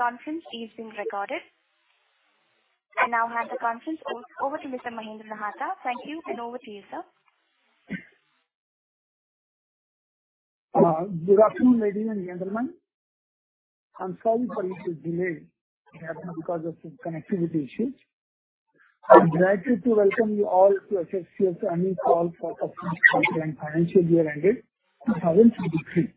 This conference is being recorded. Now I hand the conference over to Mr. Mahendra Nahata. Thank you, and over to you, sir. Good afternoon, ladies and gentlemen. I'm sorry for the little delay that happened because of some connectivity issues. I would like to welcome you all to HFCL's annual call for 2023 financial year ended 2023.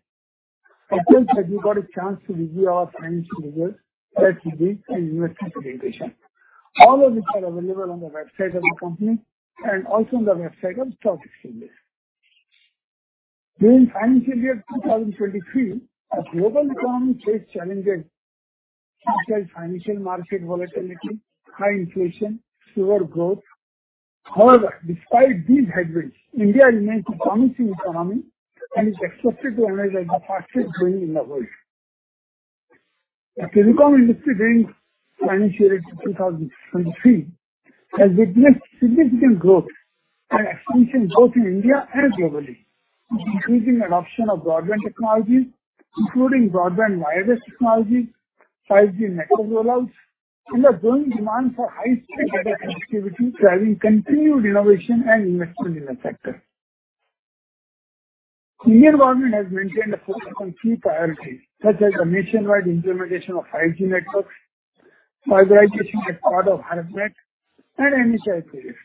I trust that you got a chance to review our financial results at length and investor presentation. All of which are available on the website of the company and also on the website of stock exchange. During financial year 2023, as global economy faced challenges such as financial market volatility, high inflation, slower growth. Despite these headwinds, India remains a promising economy and is expected to emerge as the fastest growing in the world. The telecom industry during financial year 2023 has witnessed significant growth and expansion both in India and globally, with increasing adoption of broadband technologies, including broadband wireless technologies, 5G macro rollouts, and the growing demand for high-speed data connectivity driving continued innovation and investment in the sector. Indian government has maintained a focus on key priorities such as the nationwide implementation of 5G networks, fiberization as part of BharatNet, and Initiative,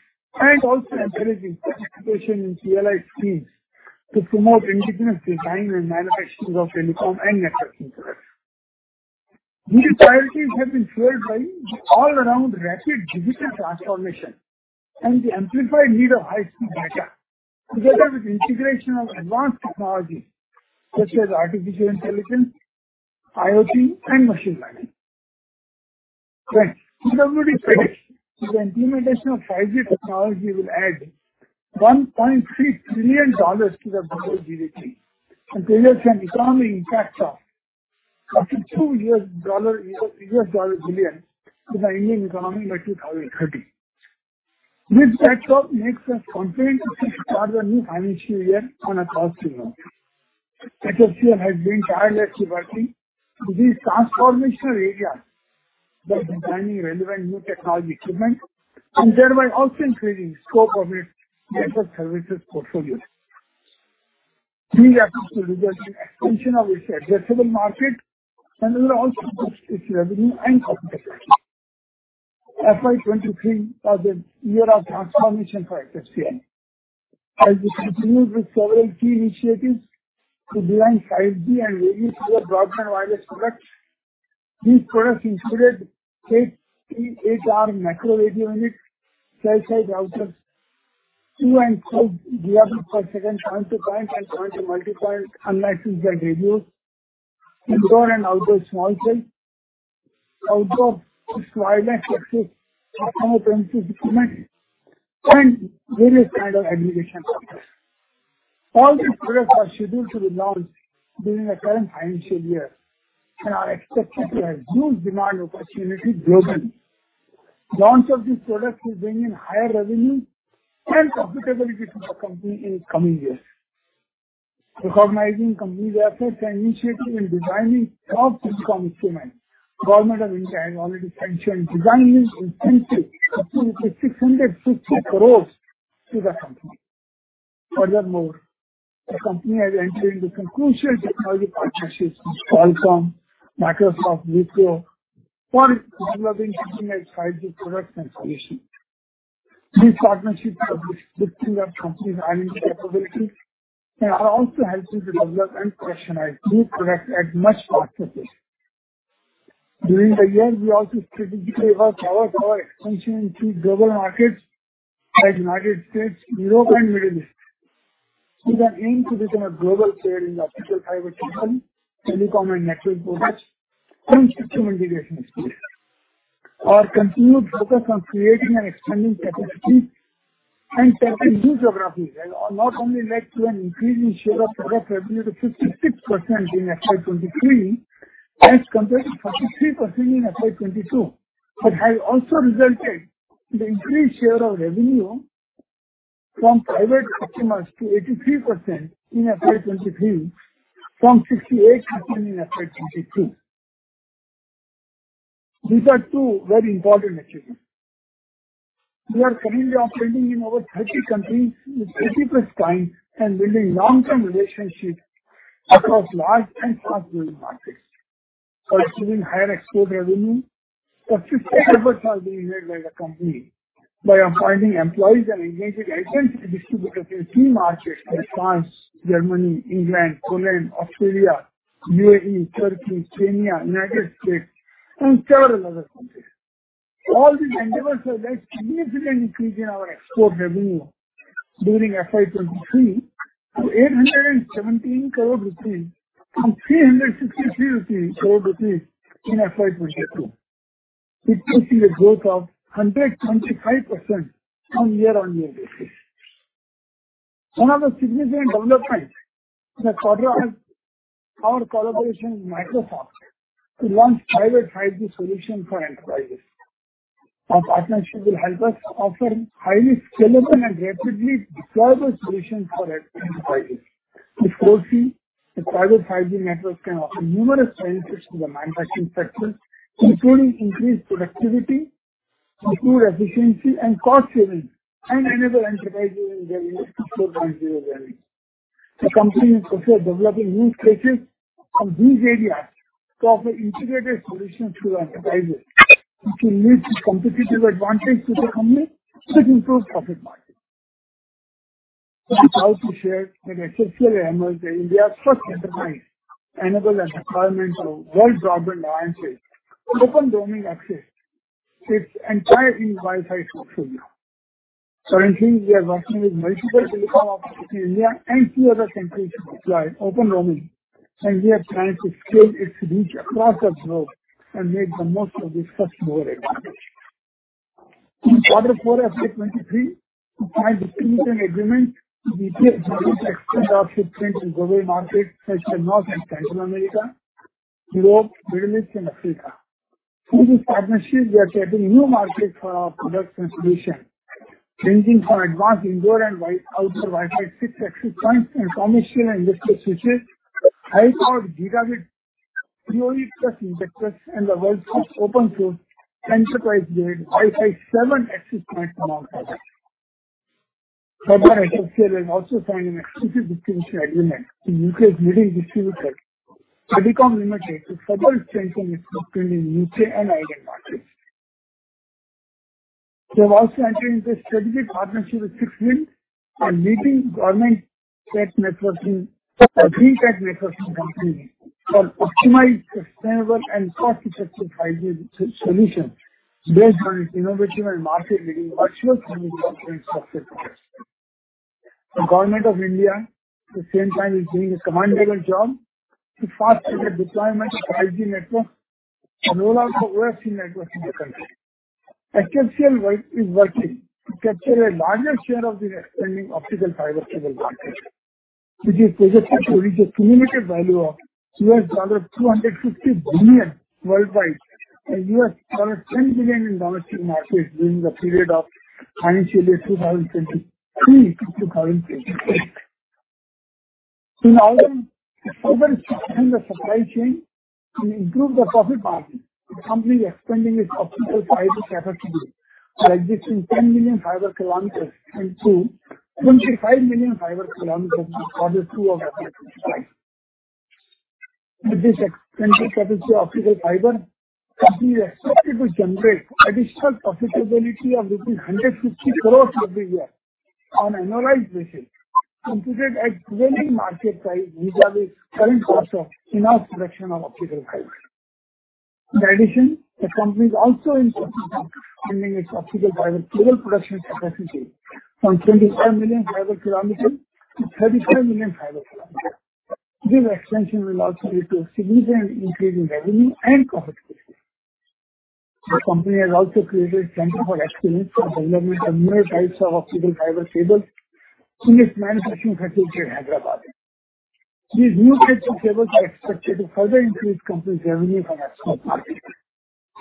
and also encouraging participation in PLI schemes to promote indigenous design and manufacturing of telecom and network infrastructure. These priorities have been fueled by the all-around rapid digital transformation and the amplified need of high-speed data, together with integration of advanced technologies such as artificial intelligence, IoT, and machine learning. Right. According to reports, the implementation of 5G technology will add $1.3 trillion to the global GDP and create an economic impact of up to $2 billion to the Indian economy by 2030. This backdrop makes us confident to start the new financial year on a positive note. HFCL has been tirelessly working in these transformational areas by designing relevant new technology equipment and thereby also increasing scope of its network services portfolio. These efforts will result in expansion of its addressable market and will also boost its revenue and profitability. FY23 was a year of transformation for HFCL. We continued with several key initiatives to design 5G and radio access broadband wireless products. These products included 8T8R macro radio unit, cell site outlets, 2 and 12 point-to-point and point-to-multipoint unlicensed band radios, indoor and outdoor small cells, outdoor fixed wireless access, autonomous instruments, and various kind of aggregation products. All these products are scheduled to be launched during the current financial year and are expected to have huge demand opportunity globally. Launch of these products will bring in higher revenue and profitability to the company in coming years. Recognizing company's efforts and initiative in designing top telecom instruments, Government of India has already sanctioned designing incentive of up to 650 crores to the company. Furthermore, the company has entered into crucial technology partnerships with Qualcomm, Microsoft, Wipro for developing customized 5G products and solutions. These partnerships have strengthened the company's R&D capability and are also helping to develop and professionalize new products at much faster pace. During the year, we also strategically worked towards our expansion into global markets like United States, Europe, and Middle East, with an aim to become a global player in optical fiber cable, telecom and network products, and system integration space. Our continued focus on creating and expanding capacities and tapping new geographies has not only led to an increase in share of product revenue to 56% in FY 2023 as compared to 43% in FY 2022, but has also resulted in the increased share of revenue from private customers to 83% in FY 2023 from 68% in FY 2022. These are two very important achievements. We are currently operating in over 30 countries with 50-plus clients and building long-term relationships across large and fast-growing markets, pursuing higher export revenue. Specific efforts are being made by the company by appointing employees and engaging agents and distributors in key markets like France, Germany, England, Poland, Australia, UAE, Turkey, Kenya, United States, and several other countries. All these endeavors have led to significant increase in our export revenue during FY23 to 817 crore rupees from 363 crore rupees in FY22, which shows a growth of 100.5% on year-on-year basis. One of the significant developments is our collaboration with Microsoft to launch Private 5G solution for enterprises. Our partnership will help us offer highly scalable and rapidly deployable solutions for enterprise 5G. We foresee that Private 5G networks can offer numerous benefits to the manufacturing sector, including increased productivity, improved efficiency and cost savings, and enable enterprises in their next 4.0 journey. The company is also developing new strategies from these areas to offer integrated solutions to enterprises, which will lead to competitive advantage to the company to improve profit margin. I'm proud to share that HFCL emerged as India's first enterprise to enable the deployment of Wireless Broadband Alliance OpenRoaming access its entire in Wi-Fi portfolio. Currently, we are working with multiple telecom operators in India and few other countries to deploy OpenRoaming, and we are trying to scale its reach across the globe and make the most of this first mover advantage. In quarter four FY23, we signed distribution agreement with EPS Global to extend our footprint in global markets such as North and Latin America, Europe, Middle East and Africa. Through this partnership, we are tapping new markets for our products and solutions, ranging from advanced indoor and outdoor Wi-Fi 6 access points and commercial and industrial switches, high-power gigabit PoE+ injectors, and the world's first open source enterprise-grade Wi-Fi 7 access point among others. Further, HFCL has also signed an exclusive distribution agreement with U.K.'s leading distributor, Purdicom Ltd, to further strengthen its footprint in U.K. and Ireland markets. We have also entered into a strategic partnership with 6WIND, a leading green-tech networking company, for optimized, sustainable and cost-effective 5G solutions based on its innovative and market-leading Virtual Community of Interest software products. The Government of India at the same time is doing a commendable job to fast-track the deployment of 5G network and rollout for OFC networks in the country. HFCL is working to capture a larger share of this expanding optical fiber cable market, which is projected to reach a cumulative value of $250 billion worldwide and $10 billion in domestic market during the period of financial year 2023-2028. In order to further strengthen the supply chain and improve the profit margin, the company is expanding its optical fiber capacity to a existing 10 million fiber kilometers and to 25 million fiber kilometers by the two of FY 2025. With this expanded capacity of optical fiber, company is expected to generate additional profitability of rupees 150 crores every year on annualized basis, computed at prevailing market price vis-a-vis current cost of in-house production of optical fibers. In addition, the company is also in the process of expanding its optical fiber cable production capacity from 25 million fiber kilometers to 35 million fiber kilometers. This expansion will also lead to a significant increase in revenue and profitability. The company has also created Center for Excellence for development of newer types of optical fiber cables in its manufacturing facility in Hyderabad. These new types of cables are expected to further increase company's revenue from external markets.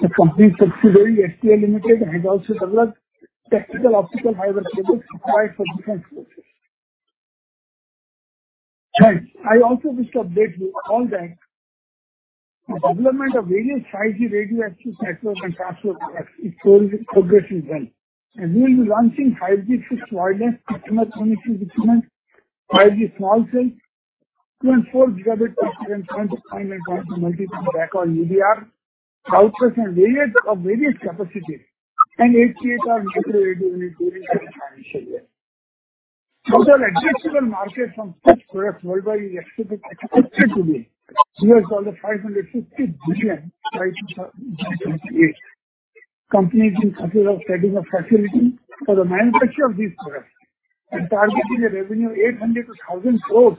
The company's subsidiary, SPL Limited, has also developed special optical fiber cables required for different purposes. Guys, I also wish to update you on that the development of various 5G radio access network and transport products is progressing well, and we will be launching 5G fixed wireless customer premises equipment, 5G small cell, 2 and 4 Gb capacity point-to-point and point-to-multipoint backhaul UBR, routers and radios of various capacities and AAU or macro radio unit during the current financial year. Total addressable market from such products worldwide is expected to be $550 billion by 2028. Company has been successful in setting up facility for the manufacture of these products and targeting a revenue INR 800-1,000 crores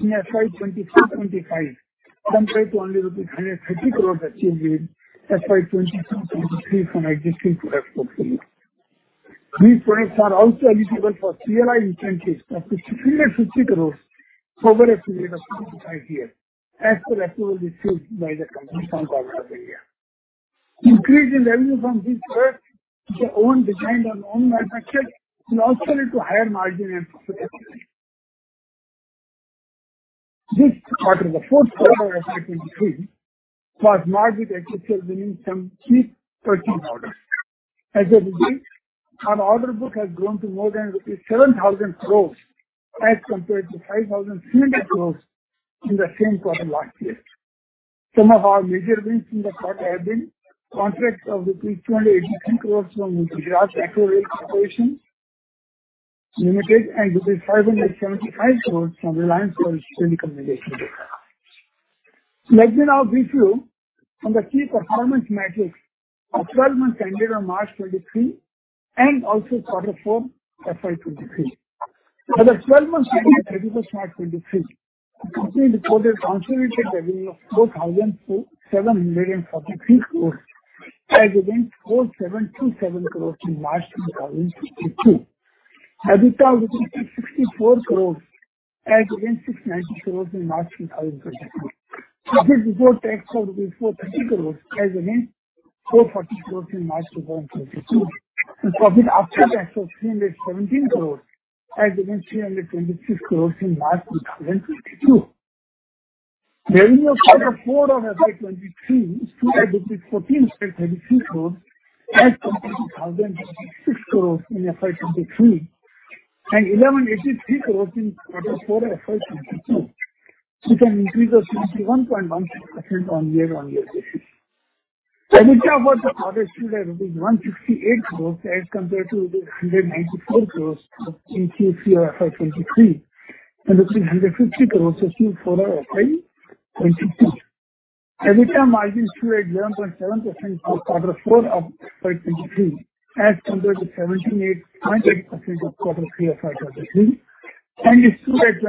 in FY 2024-2025, as compared to only INR 130 crores achieved in FY 2022-2023 from existing product portfolio. These products are also eligible for PLI incentives of 50 crores over a period of years as per approval received by the company from Government of India. Increase in revenue from these products, which are owned, designed and manufactured, will also lead to higher margin and profitability. This quarter, the Q4 of FY2023, was marked with HFCL winning some key purchasing orders. As a result, our order book has grown to more than rupees 7,000 crores as compared to 5,300 crores in the same quarter last year. Some of our major wins in the quarter have been contracts of 283 crores from Uttar Pradesh Metro Rail Corporation Limited and 575 crores from Reliance First Technical Private Limited. Let me now brief you on the key performance metrics for 12 months ended on March 2023 and also quarter four FY2023. For the 12 months ended March 2023, the company reported consolidated revenue of INR 4,743 crores as against INR 4,727 crores in March 2022. As you can see, INR 64 crores as against INR 690 crores in March 2022. Profit before tax was INR 430 crores as against INR 440 crores in March 2022. Profit after tax was INR 317 crores as against 326 crores in March 2022. Revenue for the quarter four of FY2023 stood at 1,433 crores as compared to 1,066 crores in FY23 and 1,183 crores in of FY2022. It's an increase of 61.16% on year-on-year basis. EBITDA for the quarter stood at INR 168 crores as compared to INR 194 crores in Q3 or FY2023 and INR 150 crores for Q4 of FY2022. EBITDA margin stood at 11.7% for quarter four of FY2023 as compared to seventeen eight point eight percent of of Q3 FY2023 and it stood at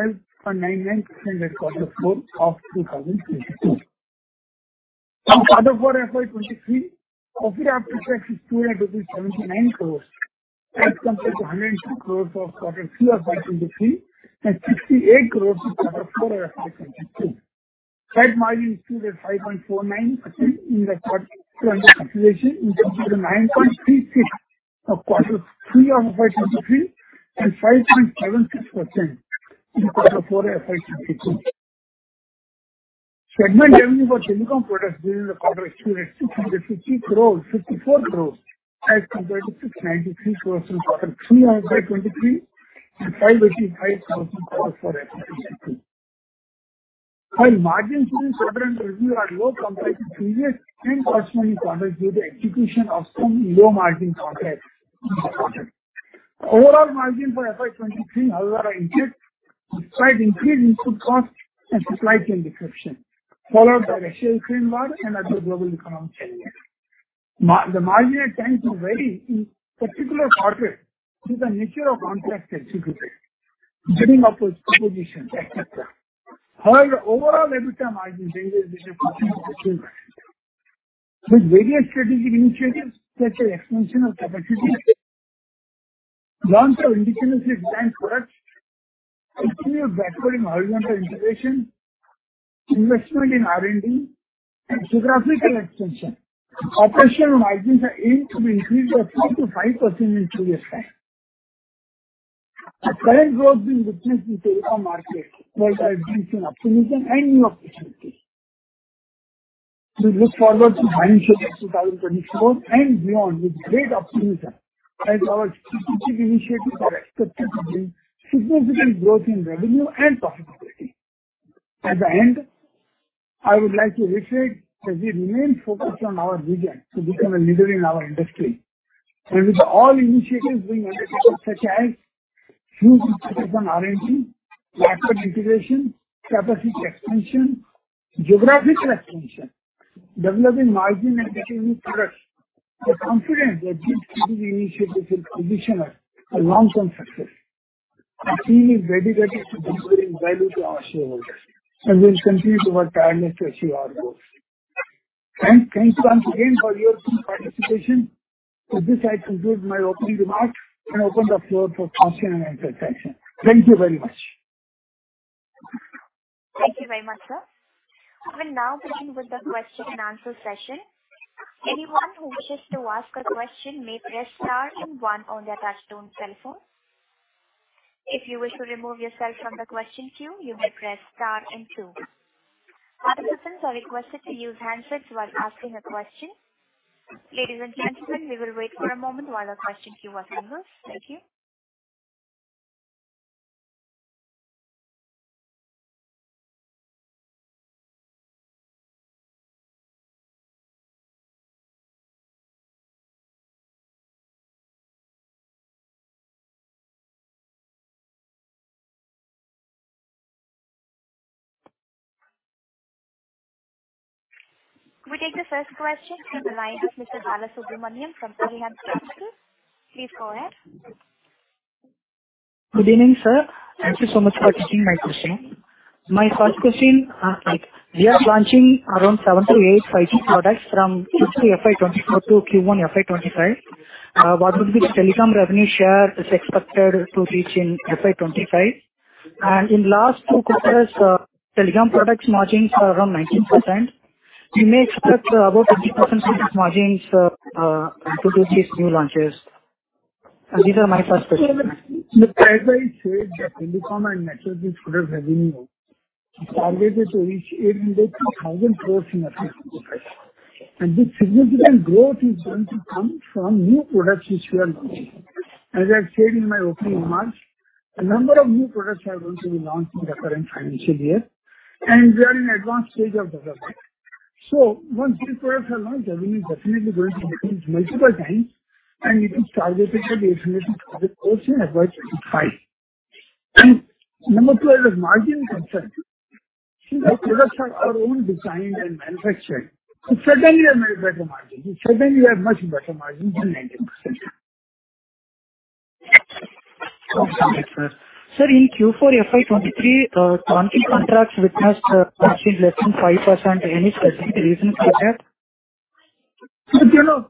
12.99% at quarter four of 2022. From quarter four FY2023, profit after tax stood at INR 79 crores as compared to INR 102 crores for quarter three of FY2023 and INR 68 crores in quarter four of FY2022. Gross margin stood at 5.49% in the quarter under consideration in compared to 9.36% of Q3 FY23 and 5.76% in Q4 FY22. Segment revenue for telecom products during the quarter stood at 650 crores, 54 crores as compared to 693 crores in Q3 FY2023 and 585,000 crores for FY2022. Margin stood in quarter under review are low compared to previous and corresponding quarters due to execution of some low margin contracts this quarter. Overall margin for FY2023, however, increased despite increased input costs and supply chain disruptions followed by Russia-Ukraine war and other global economic changes. The margin tends to vary in particular quarters due to the nature of contracts executed, bidding of those competitions, et cetera. Overall EBITDA margin ranges between 14%-15%. With various strategic initiatives such as expansion of capacity, launch of indigenously designed products, continued backward and horizontal integration, investment in R&D, and geographical expansion, operational margins are aimed to be increased by 3%-5% in two years' time. The current growth being witnessed in telecom market holds our recent optimism and new opportunities. We look forward to financial year 2024 and beyond with great optimism as our strategic initiatives are expected to bring significant growth in revenue and profitability. At the end, I would like to reiterate that we remain focused on our vision to become a leader in our industry. With all initiatives being undertaken such as huge emphasis on R&D, backward integration, capacity expansion, geographical expansion, developing margin and becoming products, we are confident that these strategic initiatives will position us for long-term success. The team is dedicated to delivering value to our shareholders, and we'll continue to work tirelessly to achieve our goals. Thanks. Thanks once again for your participation. With this, I conclude my opening remarks and open the floor for question and answer session. Thank you very much. Thank you very much, sir. We'll now begin with the question and answer session. Anyone who wishes to ask a question may press star one on their touchtone cell phone. If you wish to remove yourself from the question queue, you may press star two. Other persons are requested to use handsets while asking a question. Ladies and gentlemen, we will wait for a moment while the question queue assembles. Thank you. We take the first question from the line of Mr. Bala Subramaniam from Arihant Capital. Please go ahead. Good evening, sir. Thank you so much for taking my question. My first question. We are launching around 7-8 5G products from Q3 FY2024 to Q1 FY2025. What would be the telecom revenue share is expected to reach in FY2025? In last two quarters, telecom products margins are around 19%. We may expect about 20% of these margins to do these new launches. These are my first questions. Look, as I said that telecom and networking products revenue is targeted to reach 800,000 crore in FY2025. This significant growth is going to come from new products which we are launching. As I said in my opening remarks, a number of new products are going to be launched in the current financial year, and we are in advanced stage of development. Once these products are launched, revenue is definitely going to increase multiple times, and we can target it to be INR 80,000 crore in FY2025. Number two, as margin concerned, these are products are our own design and manufacturing. Certainly a very better margin. Certainly a much better margin than 90%. Awesome. Thanks, sir. Sir, in Q4 FY 23, turnkey contracts witnessed margin less than 5%. Any specific reason for that? You know,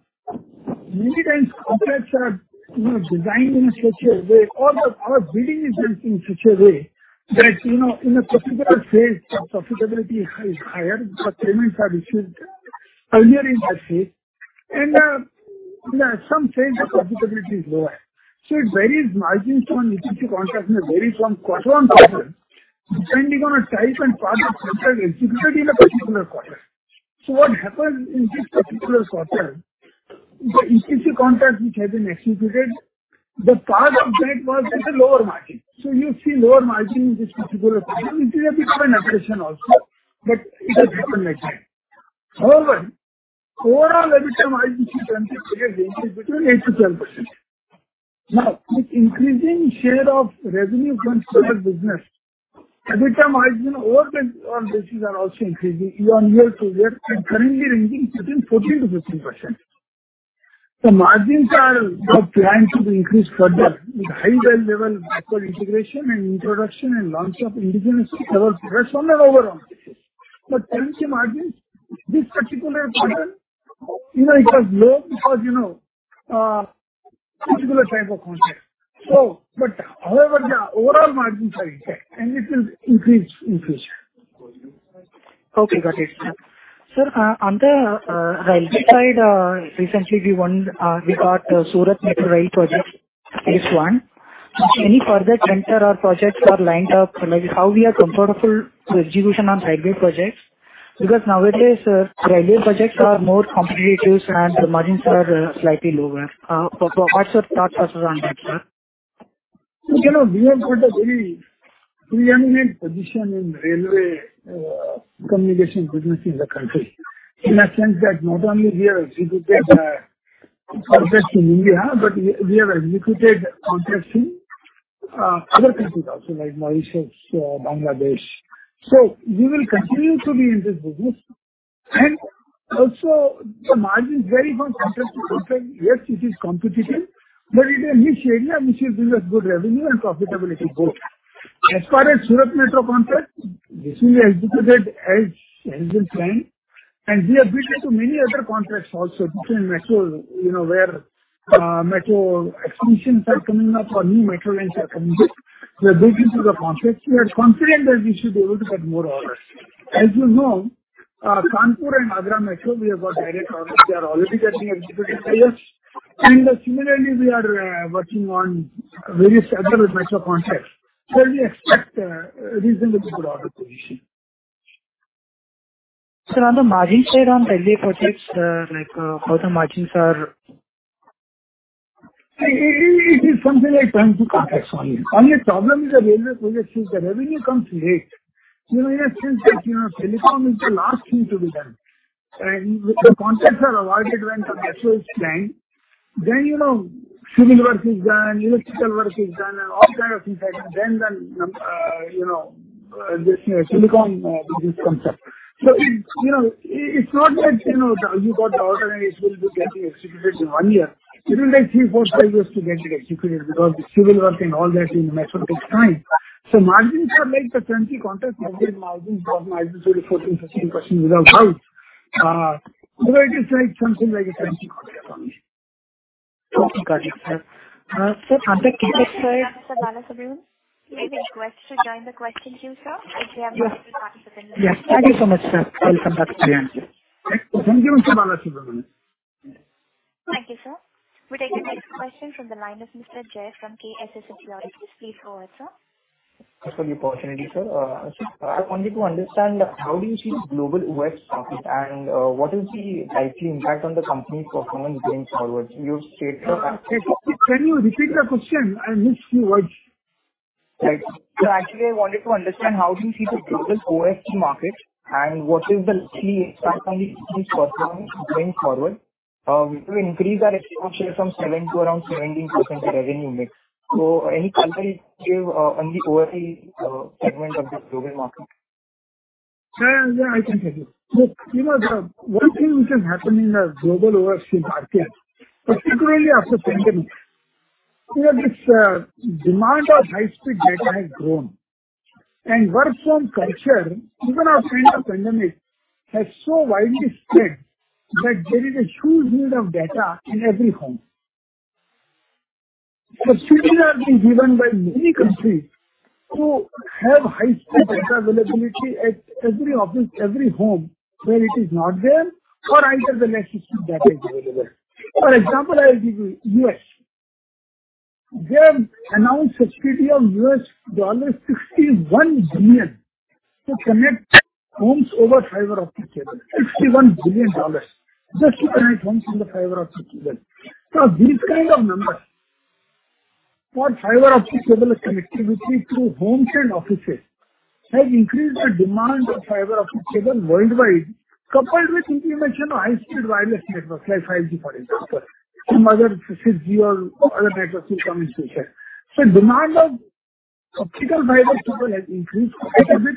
many times contracts are, you know, designed in such a way or bidding is done in such a way that, you know, in a particular phase the profitability is high, higher, but payments are received earlier in that phase. In some phase the profitability is lower. It varies. Margins from EPC contract may vary from quarter-on-quarter depending on the type and part of contract executed in a particular quarter. What happened in this particular quarter, the EPC contract which has been executed, the part of that was at a lower margin. You see lower margin in this particular quarter. It will become an operation also, but it has happened like that. However, overall EBITDA margins we anticipate a range between 8%-10%. Now, with increasing share of revenue contribution business, EBITDA margin on basis are also increasing year on year to year and currently ranging between 14%-15%. The margins are planned to increase further with high rail level backward integration and introduction and launch of indigenous rail personnel overall. Turnkey margins, this particular quarter, you know, it was low because, you know, particular type of contract. However, the overall margins are intact and it will increase in future. Okay, got it. Sir, on the railway side, recently we won, we got Surat Metro Rail Project phase I. Any further tender or projects are lined up? Like, how we are comfortable to execution on railway projects? Because nowadays, sir, railway projects are more competitive and the margins are slightly lower. What's your thought process on that, sir? You know, we have got a very pre-eminent position in railway communication business in the country. In a sense that not only we have executed projects in India, but we have executed contracts in other countries also, like Mauritius, Bangladesh. We will continue to be in this business. Also the margins vary from contract to contract. Yes, it is competitive, but it is a niche area which will give us good revenue and profitability both. As far as Surat Metro contract, this we executed as planned, and we are bidding to many other contracts also between metro, you know, where metro expansions are coming up or new metro lines are coming up. We are bidding to the contracts. We are confident that we should be able to get more orders. As you know, Kanpur and Agra Metro, we have got direct orders. They are already getting executed by us. Similarly, we are working on various other metro contracts where we expect a reasonably good order position. Sir, on the margin side on railway projects, like how the margins are? It is something like turnkey contracts only. Only problem with the railway projects is the revenue comes late. You know, in a sense that, you know, telecom is the last thing to be done. If the contracts are awarded when the metro is planned, then, you know, civil work is done, electrical work is done and all kind of things are done. The, you know, this telecom business comes up. It's, you know, it's not like, you know, you got the order and it will be getting executed in one year. It will take three, four, five years to get it executed because the civil work and all that in metro takes time. Margins are like the turnkey contracts. Margin should be 14%, 15% without doubt. It is like something like a turnkey contract only. Okay, got it, sir. Sir, on the cable side. Sir, Bala subramanian. You've been requested to join the question queue, sir. Yes. Participate. Yes. Thank you so much, sir. I will come back to you. Thank you, Mr. Balasubramanian. Thank you, sir. We take the next question from the line of Mr. Sanjay Shah from KSA Securities. Please go ahead, sir. Thanks for the opportunity, sir. I wanted to understand how do you see the global OSP market, and what is the likely impact on the company's performance going forward? You've stated that. Can you repeat the question? I missed few words. Right. Actually, I wanted to understand how do you see the global OSP market, and what is the key impact on the company's performance going forward? We've increased our expectation from 7% to around 17% revenue mix. Any color you give on the OEM segment of this global market? I can tell you. You know, the one thing which has happened in the global OSP market, particularly after pandemic, you know, this demand of high speed data has grown. Work from culture, even outside of pandemic, has so widely spread that there is a huge need of data in every home. Subsidies are being given by many countries to have high speed data availability at every office, every home where it is not there or either the legacy data is available. For example, I'll give you U.S. They have announced a subsidy of $61 billion to connect homes over fiber optic cable. $61 billion just to connect homes with the fiber optic cable. These kind of numbers for fiber optic cable connectivity through homes and offices has increased the demand of fiber optic cable worldwide, coupled with implementation of high speed wireless networks like 5G, for instance. Some other, 6G or other networks will come in future. Demand of optical fiber cable has increased quite a bit,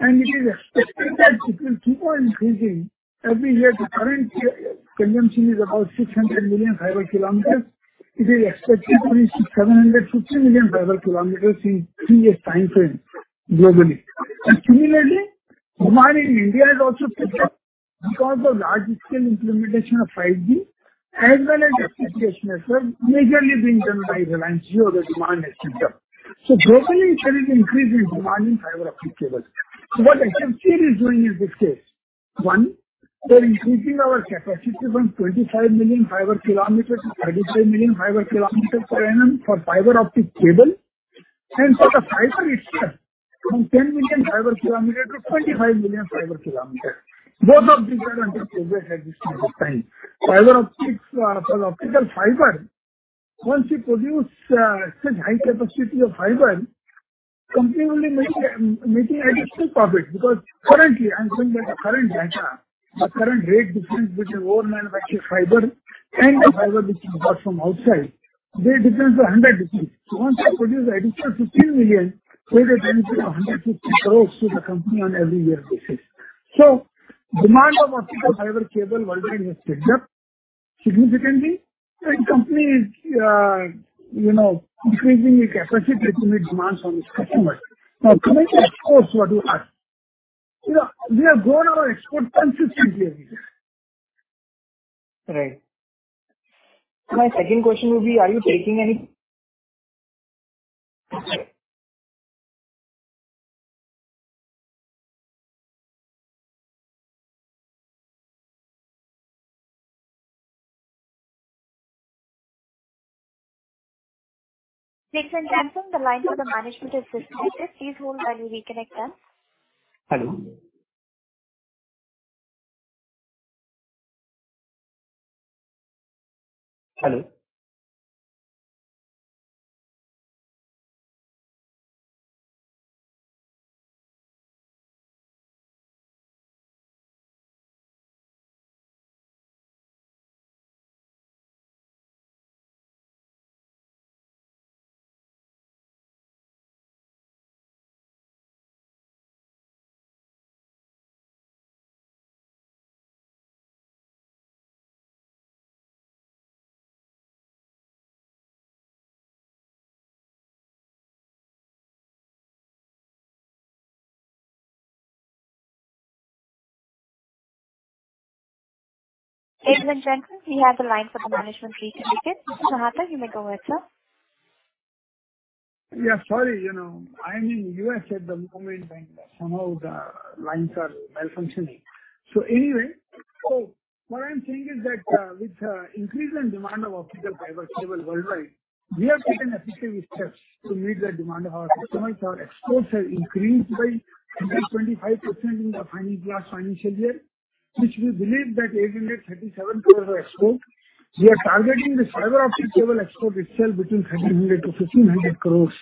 and it is expected it will keep on increasing every year. The current year, consumption is about 600 million fiber kilometers. It is expected to reach 750 million fiber kilometers in three years timeframe globally. Similarly, demand in India has also picked up because of large scale implementation of 5G as well as application has majorly been done by Reliance Jio, the demand has picked up. Globally there is increase in demand in fiber optic cable. What HFCL is doing in this case, one, we are increasing our capacity from 25 million fiber kilometers to 35 million fiber kilometers per annum for optical fiber cable. For the fiber itself, from 10 million fiber kilometer to 25 million fiber kilometer. Both of these are under progress at this point of time. Fiber optics, for optical fiber, once we produce such high capacity of fiber, company will be making additional profit because currently, I'm saying that the current data, the current rate difference between own manufactured fiber and the fiber which we bought from outside, the difference is 100. Once we produce additional 15 million, the benefit of 150 crores to the company on every year basis. Demand of optical fiber cable worldwide has picked up significantly, and company is, you know, increasing its capacity to meet demands from its customers. Now, coming to exports, what you asked. You know, we have grown our exports consistently every year. Right. My second question would be, are you taking any- Sorry. Ladies and gentlemen, the line for the management is disconnected. Please hold while we reconnect them. Hello? Hello? Ladies and gentlemen, we have the line for the management. Please indicate. Rakesh, you may go ahead, sir. Yeah, sorry. You know, I'm in U.S. at the moment, and somehow the lines are malfunctioning. What I'm saying is that with the increase in demand of optical fiber cable worldwide, we have taken effective steps to meet the demand of our customers. Our exports have increased by 125% in the last financial year, which we believe that 837 crore export. We are targeting the fiber optic cable export itself between 1,500-1,500 crores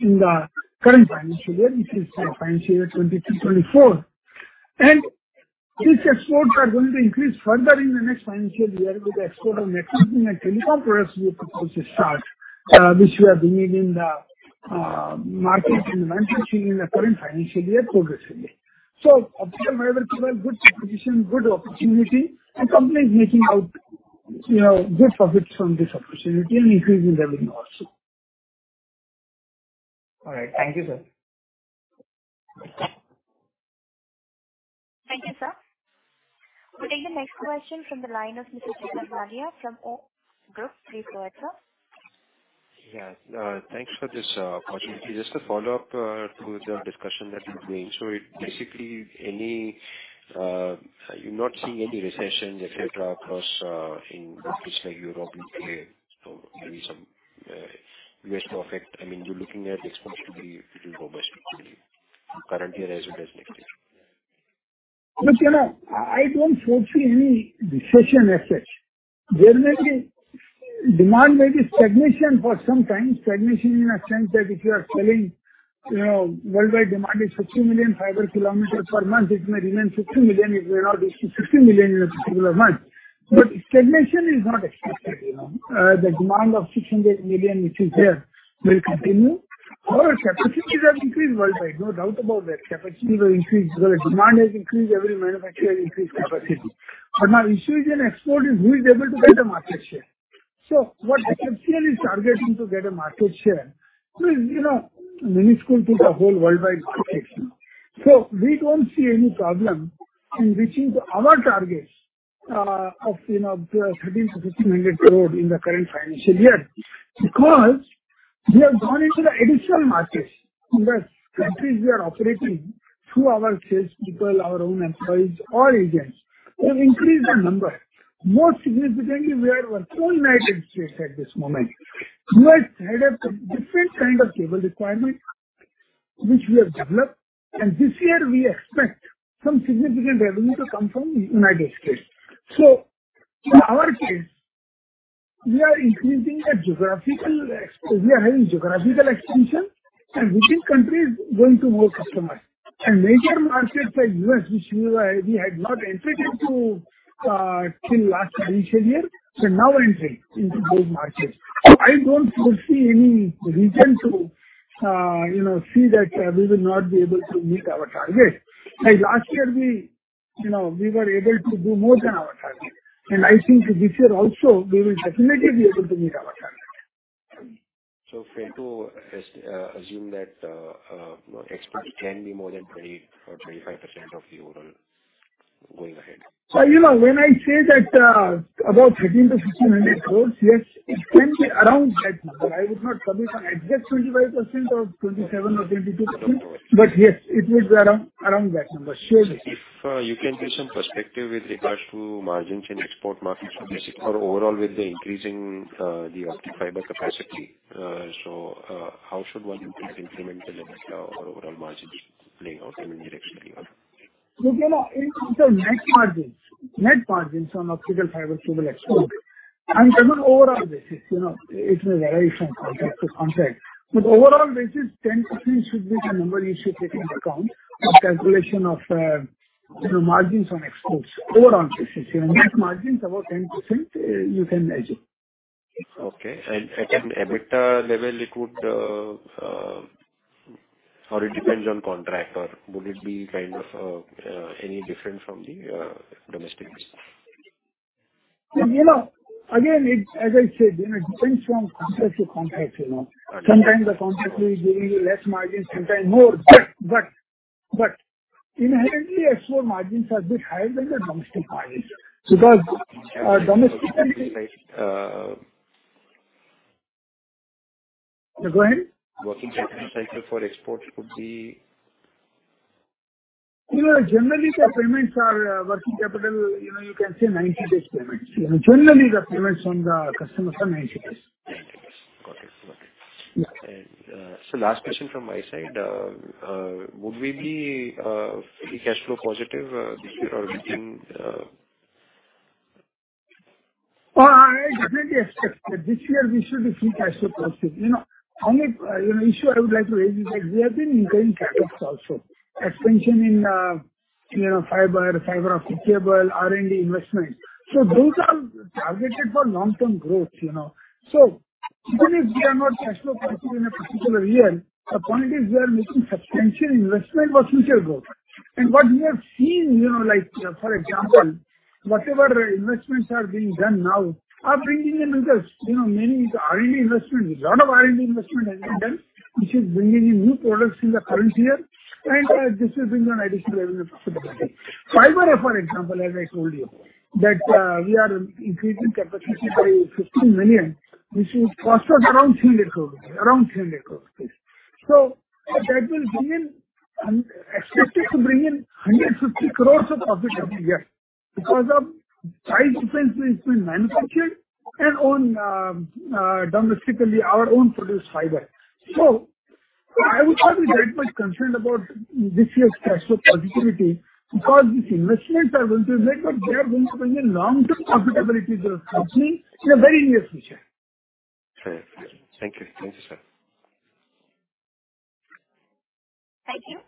in the current financial year, which is financial year 2023-2024. These exports are going to increase further in the next financial year with the export of networking and telecom products we propose to start, which we are bringing in the market and manufacturing in the current financial year progressively. Optical fiber cable, good proposition, good opportunity, and company is making out, you know, good profits from this opportunity and increasing revenue also. All right. Thank you, sir. Thank you, sir. We'll take the next question from the line of Mr. Siddharth Mallya from Ed Group. Please go ahead, sir. Yeah. Thanks for this opportunity. Just a follow-up to the discussion that you're doing. Basically any... You're not seeing any recession, etc., across in countries like Europe, U.K., or maybe some U.S. perfect. I mean, you're looking at exports to be little robust currently as well as next year. You know, I don't foresee any recession as such. Demand may be stagnation for some time. Stagnation in a sense that if you are selling, you know, worldwide demand is 60 million fiber kilometers per month, it may remain 60 million. It may not reach to 60 million in a particular month. Stagnation is not expected, you know. The demand of 600 million, which is there, will continue. Our capacities have increased worldwide, no doubt about that. Capacity will increase because demand has increased, every manufacturer increased capacity. Now issue is in export is who is able to get the market share. What HFCL is targeting to get a market share is, you know, minuscule to the whole worldwide market. We don't see any problem in reaching to our targets, of, you know, 1,300 crore-1,500 crore in the current financial year, because we have gone into the additional markets in the countries we are operating through our sales people, our own employees or agents, we've increased the number. More significantly, we are working with the United States at this moment. U.S. had a different kind of cable requirement which we have developed, and this year we expect some significant revenue to come from United States. In our case, we are increasing the geographical expansion, and within countries going to more customers. Major markets like the U.S., which we had not entered into, till last financial year, we are now entering into those markets. I don't foresee any reason to, you know, see that, we will not be able to meet our targets. Last year you know, we were able to do more than our target. I think this year also we will definitely be able to meet our target. Fair to assume that exports can be more than 20% or 25% of the overall going ahead. You know, when I say that, about 1,300-1,600 crores, yes, it can be around that number. I would not commit on exact 25% or 27% or 22%. Okay. Yes, it will be around that number, surely. If you can give some perspective with regards to margins in export markets or overall with the increasing the optical fiber capacity, how should one increase incremental EBITDA or overall margins playing out in the next period? Look, you know, in terms of net margins, net margins on optical fiber to the export and on an overall basis, you know, it will vary from contract to contract, but overall basis, 10% should be the number you should take into account for calculation of, you know, margins on exports. Overall basis, you know, net margins about 10%, you can assume. Okay. At an EBITDA level, it depends on contract, or would it be kind of any different from the domestics? You know, again, it's as I said, you know, it depends from contract to contract, you know. Okay. Sometimes the contract will be giving you less margin, sometimes more. Inherently export margins are bit higher than the domestic margins, because our domestic. Go ahead. Working capital cycle for exports would be? You know, generally the payments are working capital. You know, you can say 90 days payments. You know, generally the payments from the customers are 90 days. 90 days. Got it. Got it. Yeah. Last question from my side. Would we be free cash flow positive this year or within...? I definitely expect that this year we should be free cash flow positive. You know, only, you know, issue I would like to raise is that we have been incurring CapEx also. Expansion in, you know, fiber optical cable, R&D investment. Those are targeted for long-term growth, you know. Even if we are not cash flow positive in a particular year, the point is we are making substantial investment for future growth. What we have seen, you know, like, for example, whatever investments are being done now are bringing in results. You know, many R&D investment, a lot of R&D investment has been done, which is bringing in new products in the current year, and this will bring an additional revenue possibility. Fiber, for example, as I told you, that, we are increasing capacity by 50 million, which will cost us around 300 crores. That will bring in, expected to bring in 150 crores of profit every year because of price difference between manufactured and own, domestically, our own produced fiber. I would not be very much concerned about this year's cash flow positivity because these investments are going to make, but they are going to bring in long-term profitability to the company in a very near future. Fair. Thank you. Thank you, sir. Thank you.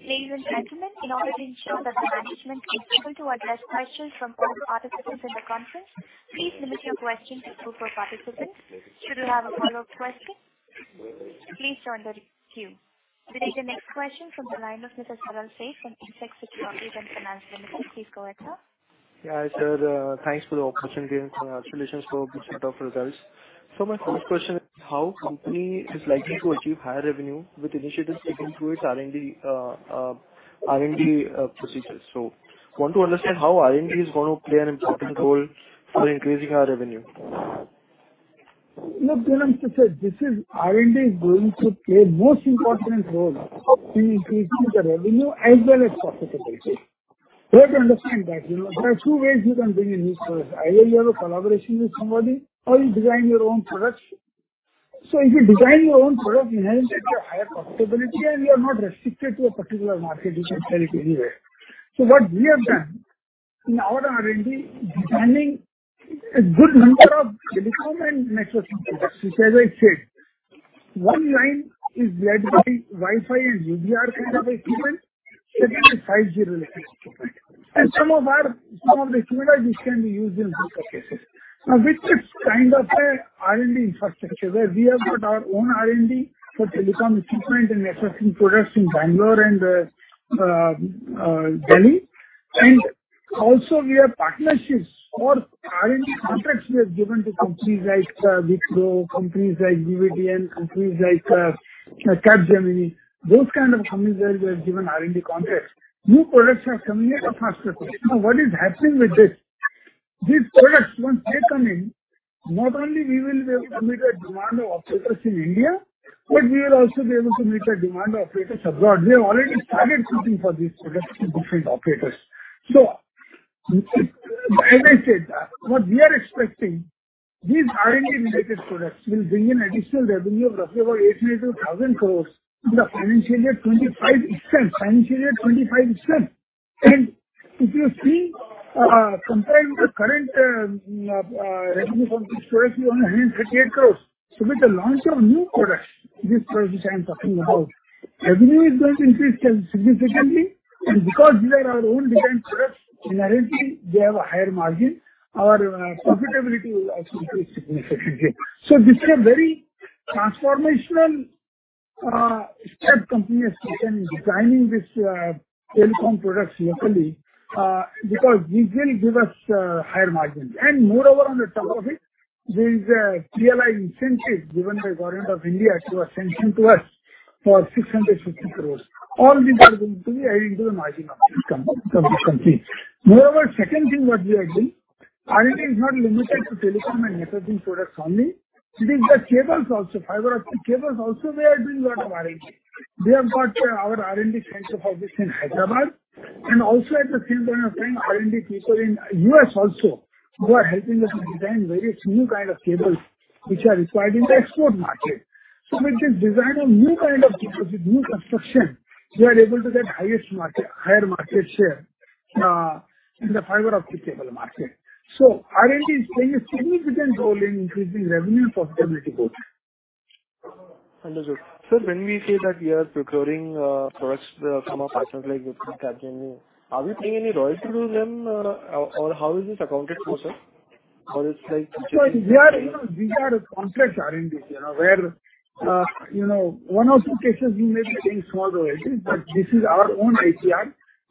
Ladies and gentlemen, in order to ensure that the management is able to address questions from all participants in the conference, please limit your questions to two per participant. Should you have a follow-up question, please join the queue. We take the next question from the line of Mr. Saral Seth from Indsec Securities and Finance Limited. Please go ahead, sir. Yeah. Sir, thanks for the opportunity and congratulations for good set of results. My first question, how company is likely to achieve higher revenue with initiatives taken through its R&D procedures? Want to understand how R&D is going to play an important role for increasing our revenue. Look, you know, Mr. Seth, R&D is going to play most important role in increasing the revenue as well as profitability. You have to understand that, you know. There are two ways you can bring in new products. Either you have a collaboration with somebody or you design your own products. If you design your own product, inherently you have higher profitability and you are not restricted to a particular market, you can sell it anywhere. What we have done in our R&D, designing a good number of telecom and networking products, which, as I said, one line is led by Wi-Fi and UBR kind of equipment, second is 5G related equipment. Some of the similar which can be used in both the cases. With this kind of a R&D infrastructure, where we have got our own R&D for telecom equipment and networking products in Bangalore and Delhi, and also we have partnerships for R&D contracts we have given to companies like Vicco, companies like VVDN, companies like Capgemini. Those kind of companies where we have given R&D contracts. New products are coming at a faster pace. What is happening with this, these products once they come in, not only we will be able to meet the demand of operators in India, but we will also be able to meet the demand of operators abroad. We have already started seeking for these products to different operators. As I said, what we are expecting, these R&D related products will bring in additional revenue of roughly about 800-1,000 crores in the financial year 25 itself. If you see, comparing the current revenue from these products is only INR 138 crores. With the launch of new products, these products which I am talking about, revenue is going to increase significantly. Because these are our own designed products, inherently they have a higher margin, our profitability will also increase significantly. This is a very transformational step continuously in designing this telecom products locally, because this will give us higher margins. Moreover, on the top of it, there is a PLI incentive given by Government of India to ascension to us for 650 crores. All these are going to be added to the margin of this company, because it completes. Moreover, second thing what we are doing, R&D is not limited to telecom and networking products only. It is the cables also. Fiber Optic cables also we are doing lot of R&D. We have got our R&D center of this in Hyderabad, and also at the same time having R&D people in the U.S. also, who are helping us design various new kind of cables which are required in the export market. With this design of new kind of cables, with new construction, we are able to get higher market share in the Fiber Optic cable market. R&D is playing a significant role in increasing revenue profitability growth. Understood. Sir, when we say that we are procuring products from a partner-like Mm-hmm. Are we paying any royalty to them, or how is it accounted for, sir? it's like- We are, you know, we have a contract R&D, you know, where, you know, one or two cases we may be paying small royalties, but this is our own IP.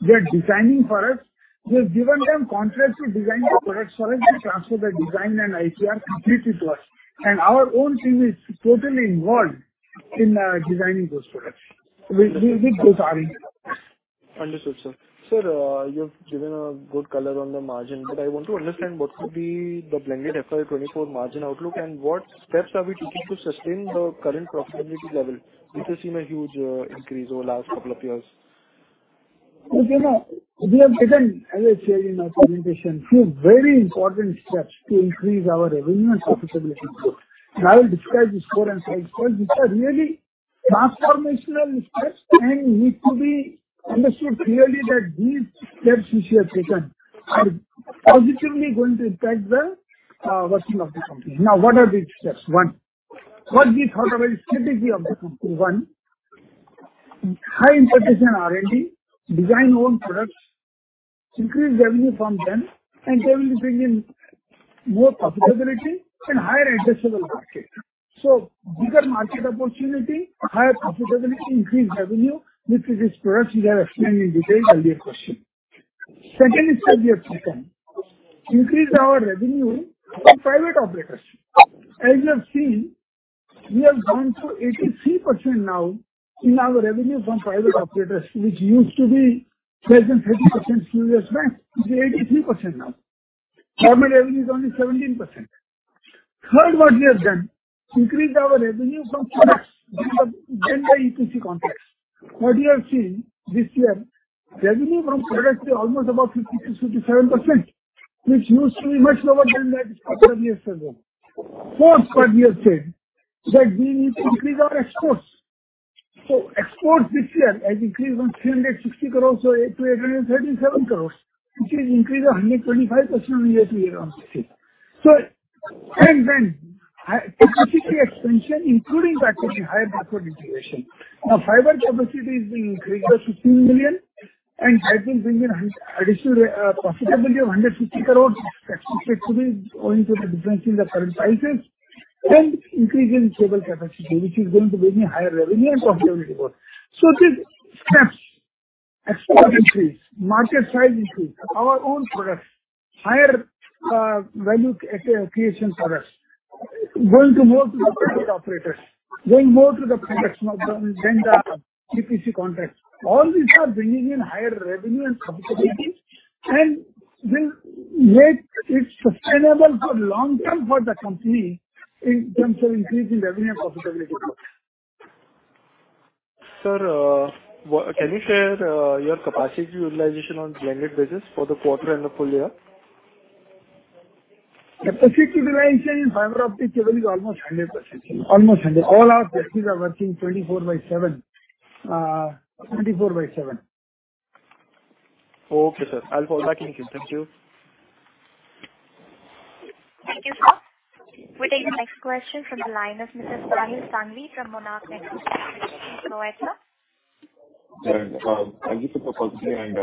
They're designing for us. We've given them contracts to design the products for us and transfer the design and IP completely to us. Our own team is totally involved in designing those products. We do R&D. Understood, sir. Sir, you've given a good color on the margin. I want to understand what could be the blended FY 2024 margin outlook and what steps are we taking to sustain the current profitability level, which has seen a huge increase over last couple of years? Okay, now, we have taken, as I said in my presentation, few very important steps to increase our revenue and profitability growth. I will describe these four and five points which are really transformational steps and need to be understood clearly that these steps which we have taken are positively going to impact the working of the company. What are these steps? One, what we thought about strategy of the company. One, high impact R&D, design own products, increase revenue from them, and they will bring in more profitability and higher addressable market. Bigger market opportunity, higher profitability, increased revenue, which is products we have explained in detail in earlier question. Second step we have taken, increase our revenue from private operators. As you have seen, we have gone to 83% now in our revenue from private operators, which used to be less than 30% previous months. It's 83% now. Government revenue is only 17%. Third, what we have done, increase our revenue from products than the EPC contracts. What you have seen this year, revenue from products is almost about 50%-57%, which used to be much lower than that couple of years ago. Fourth, what we have said that we need to increase our exports. Exports this year has increased from 360 crores to 837 crores, which is increase of 125% year-to-year on this. Capacity expansion, including that with higher throughput utilization. Fiber capacity is being increased to 15 million, and I think bringing an additional profitability of 150 crores tax effectively, owing to the difference in the current prices, and increasing cable capacity, which is going to bring a higher revenue and profitability growth. These steps, export increase, market size increase, our own products, higher value creation products, going to more to the private operators, going more to the products than the EPC contracts. All these are bringing in higher revenue and profitability and will make it sustainable for long term for the company in terms of increasing revenue and profitability growth. Sir, can you share your capacity utilization on blended basis for the quarter and the full year? Capacity utilization in Fiber Optic cable is almost 100%. Almost 100. All our factories are working 24 by 7. Okay, sir. I'll follow back. Thank you. Thank you. Thank you, sir. We'll take the next question from the line of Mr. Sahil Sanghvi from Monarch Networth Capital. Go ahead, sir. Yeah. Thank you for the opportunity and,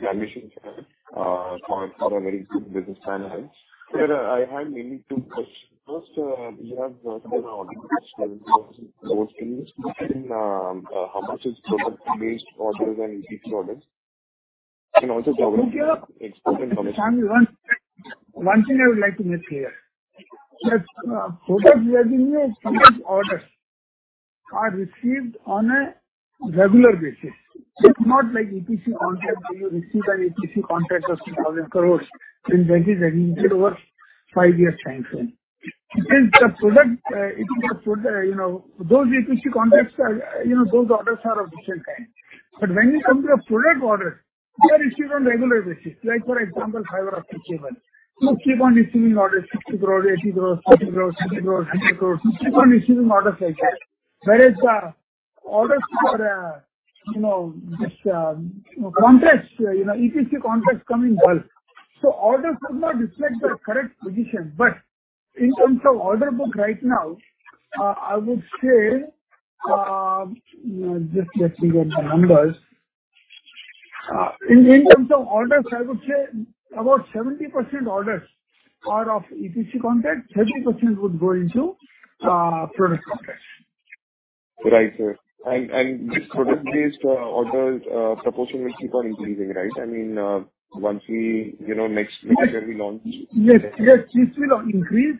the admissions, for a very good business townhouse. Sir, I have mainly two questions. First, you have Mm-hmm. How much is product-based orders and EPC orders? Also- Look here. It's product orders. Sahil, one thing I would like to make clear, that product revenue and product orders are received on a regular basis. It's not like EPC contract, where you receive an EPC contract of 2,000 crores, and that is recognized over five-year timeframe. It is the product, you know, those EPC contracts are, you know, those orders are of different kind. When it comes to product orders, they are received on regular basis. Like, for example, fiber optic cable. You keep on receiving orders, 60 crores, 80 crores, 40 crores, 50 crores, 100 crores. You keep on receiving orders like that. Whereas orders for, you know, contracts, you know, EPC contracts come in bulk. Orders do not reflect the correct position. In terms of order book right now, I would say, just let me get the numbers. In terms of orders, I would say about 70% orders are of EPC contract, 30% would go into product contracts. Right, sir. This product-based orders proportion will keep on increasing, right? I mean, once we, you know, next quarter we launch. Yes. Yes, this will increase.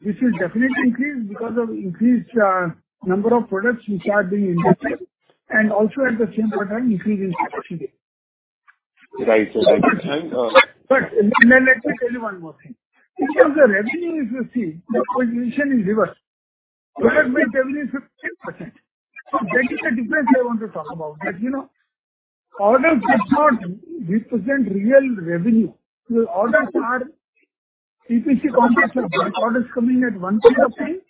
This will definitely increase because of increased number of products which are being inducted, and also at the same time increase in capacity. Right. Sir. Let me tell you one more thing. In terms of revenue, if you see, the position is reverse. Reverse by 10-15%. That is the difference I want to talk about. Like, you know, orders does not represent real revenue. Orders are EPC contracts are like orders coming at one point of time.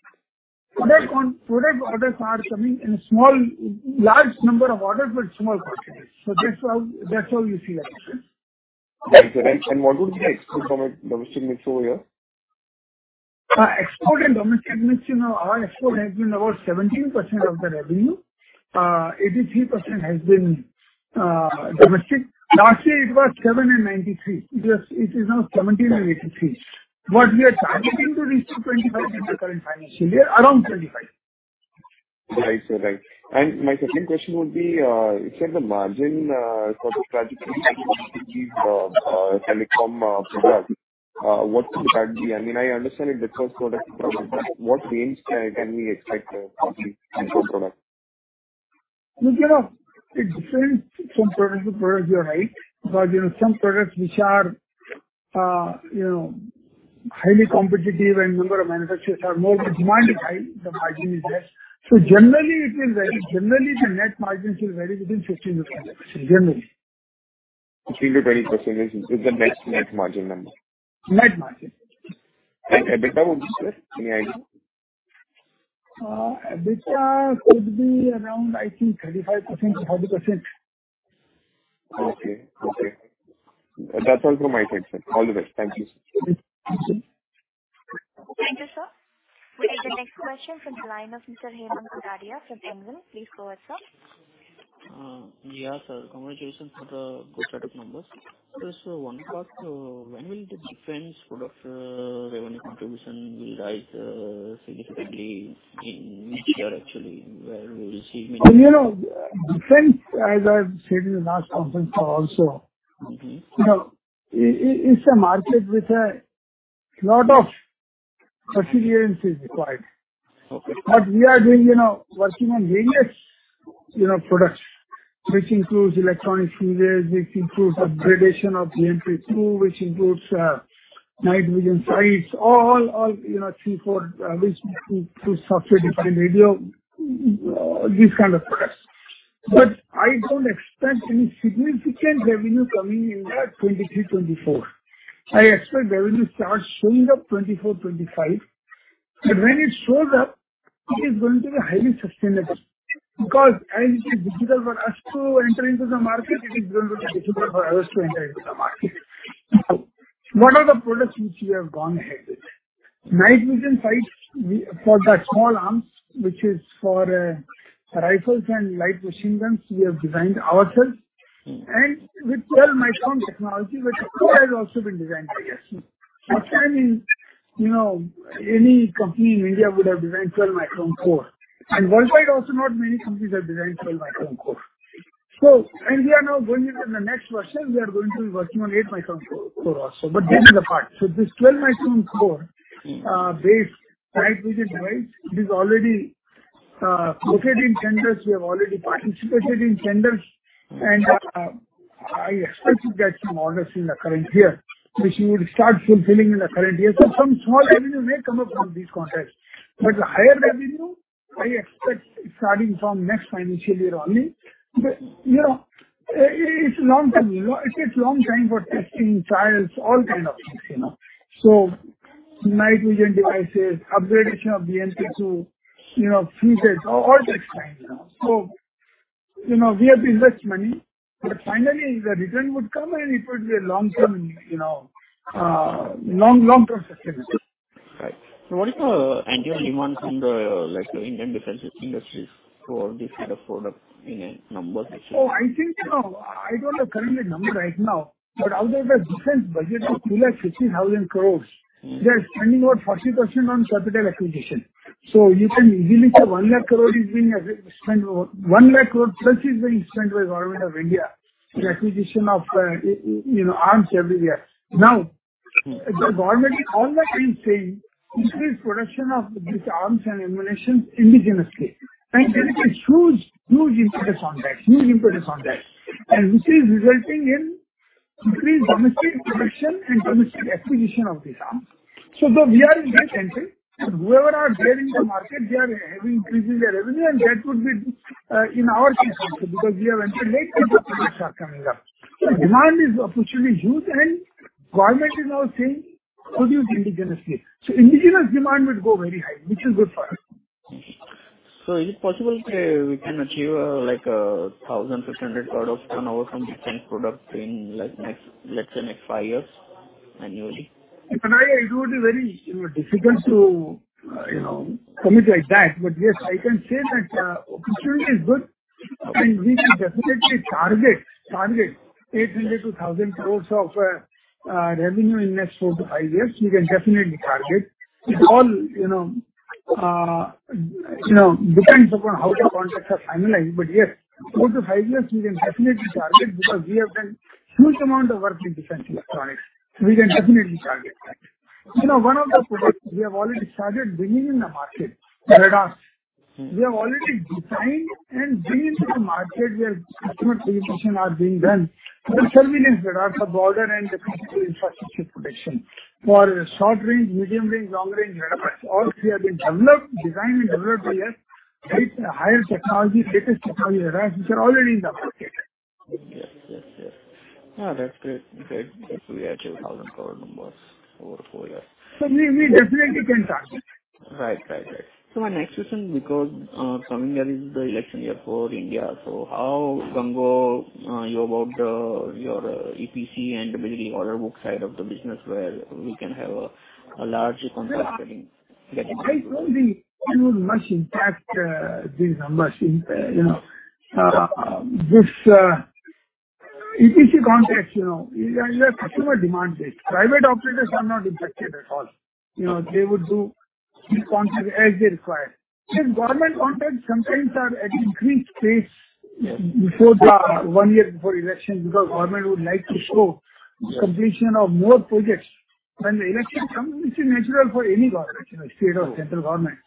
Product orders are coming in a large number of orders but small quantities. That's how you see that, okay. Right, sir. What would be the export and domestic mix over here? Export and domestic mix, you know, our export has been about 17% of the revenue. 83% has been domestic. Last year it was 7% and 93%. It is now 17% and 83%. What we are targeting to reach to 25% in the current financial year, around 25%. Right, sir. Right. My second question would be, you said the margin got affected because of these telecom products. What could that be? I mean, I understand it differs product to product, but what range can we expect for these telecom products? You know, it differs from product to product, you're right. You know, some products which are, you know, highly competitive and number of manufacturers are more, but demand is high, the margin is less. Generally it will vary. Generally, the net margins will vary between 15%-20%. Generally. 15%-20% is the net margin number? Net margin. EBITDA would be, sir? Any idea? EBITDA could be around, I think, 35%-40%. Okay. Okay. That's all from my side, sir. All the best. Thank you, sir. Thank you. Thank you, sir. We take the next question from the line of Mr. Hemang Kotadia from Anvil. Please go ahead, sir. Yeah, sir. Congratulations on the good set of numbers. Just one part, when will the defense product revenue contribution will rise significantly in which year actually, where we will see? You know, defense, as I've said in the last conference call also. Mm-hmm. You know, it's a market which, lot of perseverance is required. Okay. We are being, you know, working on various, you know, products, which includes electronic fuses, which includes upgradation of BMP-2, which includes night vision sights, all, you know, three, four, which include software-defined radio, these kind of products. I don't expect any significant revenue coming in 2023-2024. I expect revenue start showing up 2024-2025. When it shows up, it is going to be highly sustainable because as it is difficult for us to enter into the market, it is going to be difficult for others to enter into the market. What are the products which we have gone ahead with? Night vision sights for the small arms, which is for rifles and light machine guns we have designed ourselves. Mm-hmm. With 12 micron technology, which core has also been designed by us. What I mean, you know, any company in India would have designed 12 micron core. Worldwide also not many companies have designed 12 micron core. We are now going into the next version. We are going to be working on 8 micron core also. That is the part. This 12 micron core- Mm-hmm. based night vision device, it is already located in tenders. We have already participated in tenders. I expect to get some orders in the current year, which we will start fulfilling in the current year. Some small revenue may come up from these contracts. The higher revenue, I expect starting from next financial year only. you know, it's long-term. It takes long time for testing, trials, all kind of things, you know. Night vision devices, upgradation of BMP-2, you know, fuses, all that time, you know. you know, we have to invest money, but finally the return would come and it will be a long-term, you know, long, long-term sustainability. Right. What is the annual demand from the, like, Indian defense industries for this kind of product in a number basis? Oh, I think, you know, I don't have current number right now. Out of the defense budget of 260,000 crores, they are spending about 40% on capital acquisition. You can easily say 1 lakh crore is being spent. 1 lakh crore plus is being spent by Government of India in acquisition of, you know, arms every year. The government all the time saying increase production of these arms and ammunitions indigenously. Okay. There is a huge impetus on that. Which is resulting in increased domestic production and domestic acquisition of these arms. Though we are in that sector, but whoever are there in the market, they are having increases their revenue, and that would be in our case also, because we have entered late but products are coming up. Demand is officially huge and government is now saying produce indigenously. Indigenous demand would go very high, which is good for us. Is it possible, say, we can achieve, like, 1,500 crore of turnover from defense products in, like, next, let's say next five years? Annually. Panaya, it would be very, you know, difficult to, you know, commit like that. Yes, I can say that opportunity is good, and we can definitely target 800 crore-1,000 crore of revenue in next four to five years. We can definitely target. It all, you know, depends upon how the contracts are finalized. Yes, four to five years we can definitely target because we have done huge amount of work in defense electronics. We can definitely target that. You know, one of the products we have already started bringing in the market, radars. Mm-hmm. We have already designed and bringing to the market where customer qualification are being done. These surveillance radars for border and critical infrastructure protection. For short range, medium range, long range radars, all three have been developed, designed and developed by us with higher technology, latest technology radars, which are already in the market. Yes. Yes. Yes. That's great. Great. Hopefully achieve INR 1,000 crore numbers over four years. We definitely can target. Right. Right. Right. My next question, because, coming year is the election year for India, so how uncertain, you about, your EPC and really order book side of the business where we can have a large contract getting-. Well, I don't think it would much impact these numbers. you know, this EPC contracts, you know, customer demand-based. Private operators are not impacted at all. You know, they would do contracts as they require. These government contracts sometimes are at increased pace. Yes. before the, one year before election because government would like to show- Yes. -completion of more projects. When the election comes, it's natural for any government, you know, state or central government.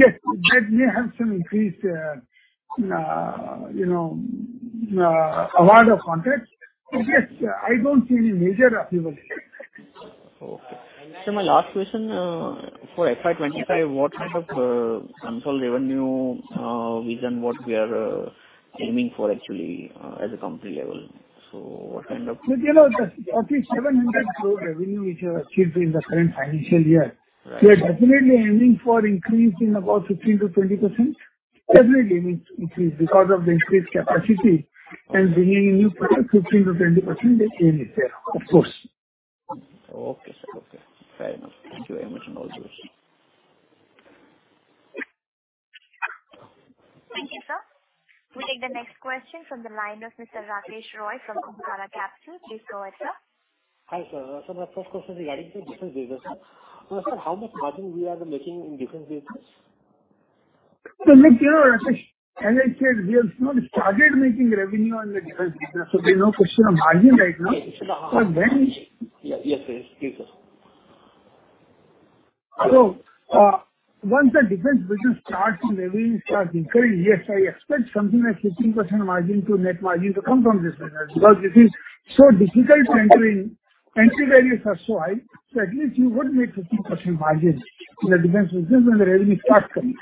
Yes, that may have some increased, you know, award of contracts. Yes, I don't see any major upheaval here. Okay. My last question for FY 2025, what type of console revenue vision, what we are aiming for actually, as a company level? What kind of. Look, you know, the roughly 700 crore revenue which we have achieved in the current financial year. Right. We are definitely aiming for increase in about 15% to 20%. Definitely aiming to increase because of the increased capacity and bringing new products, 15% to 20% is aim is there, of course. Okay, sir. Okay. Fair enough. Thank you very much. All the best. Thank you, sir. We take the next question from the line of Mr. Rakesh Roy from Kumkum Capital. Please go ahead, sir. Hi, sir. Sir, my first question regarding to the defense business. Sir, how much margin we are making in defense business? Look, you know, Rakesh, as I said, we have not started making revenue on the defense business, so there's no question of margin right now. Yes. But when- Yeah. Yes, please. Please, sir. Once the defense business starts and revenue starts increasing, yes, I expect something like 15% margin to net margin to come from this business. It is so difficult to enter in. Entry barriers are so high, so at least you would make 15% margins in the defense business when the revenue starts coming.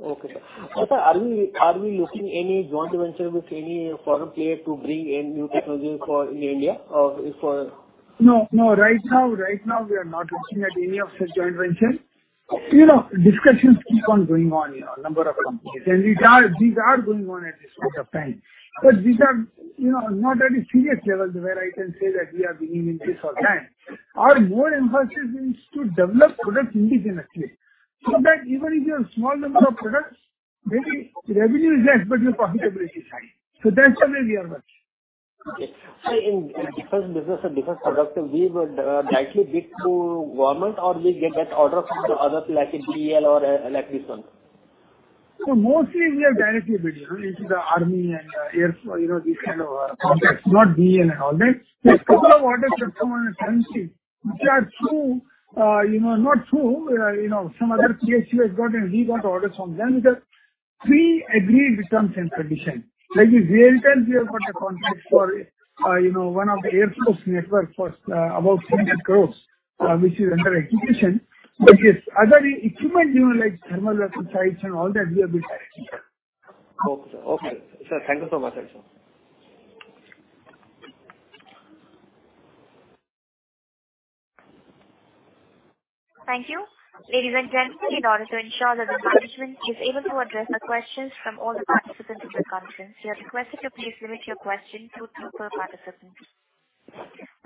Okay, sir. Sir, are we looking any joint venture with any foreign player to bring in new technology for in India or for- No, no. Right now we are not looking at any of such joint venture. You know, discussions keep on going on, you know, a number of companies. These are going on at this point of time. These are, you know, not at a serious level where I can say that we are bringing in this or that. Our more emphasis is to develop products indigenously, so that even if you have small number of products, maybe revenue is less, but your profitability is high. That's the way we are working. Okay. Sir, in defense business or defense products, we would directly bid to government or we get that order from the others like a BEL or like this one? Mostly we have directly bid, you know, into the army and air force, you know, these kind of contracts. Not BEL and all that. Okay. A couple of orders have come on a turnkey, which are through, you know, not through, you know, some other PSU has got and he got orders from them with pre-agreed terms and conditions. Like with RailTel we have got a contract for, you know, one of the air force network for about 700 crores, which is under execution. Okay. Yes, other equipment, you know, like thermal weapon sights and all that, we have bid directly. Okay, sir. Okay. Sir, thank you so much. That's all. Thank you. Ladies and gentlemen, in order to ensure that the management is able to address the questions from all the participants in the conference, we are requested to please limit your question to three per participant.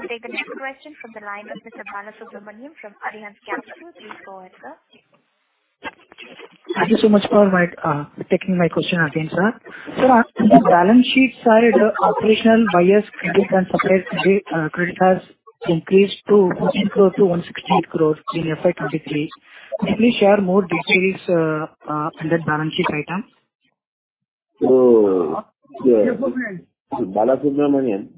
We'll take the next question from the line of Mr. Balasubramanian from Arihant Capital. Please go ahead, sir. Thank you so much for my taking my question again, Sir, on the balance sheet side, operational buyers credit and suppliers credit has increased to 15 crore to 168 crore in FY23. Can you please share more details under balance sheet item? yeah. Balasubramanian,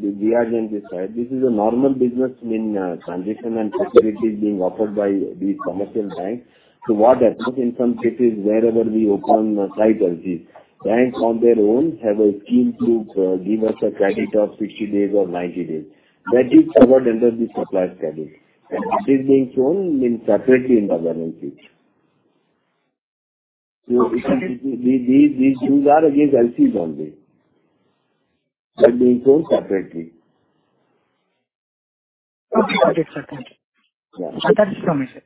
the DSN decide. This is a normal business in transition and securities being offered by these commercial banks. What happens in some cases, wherever we open sites or this, banks on their own have a scheme to give us a credit of 60 days or 90 days. That is covered under the supplier credit. That is being shown in separately in the balance sheet. Okay. These dues are against LCs only. They're being shown separately. Okay, got it, sir. Thank you. Yeah. Understood.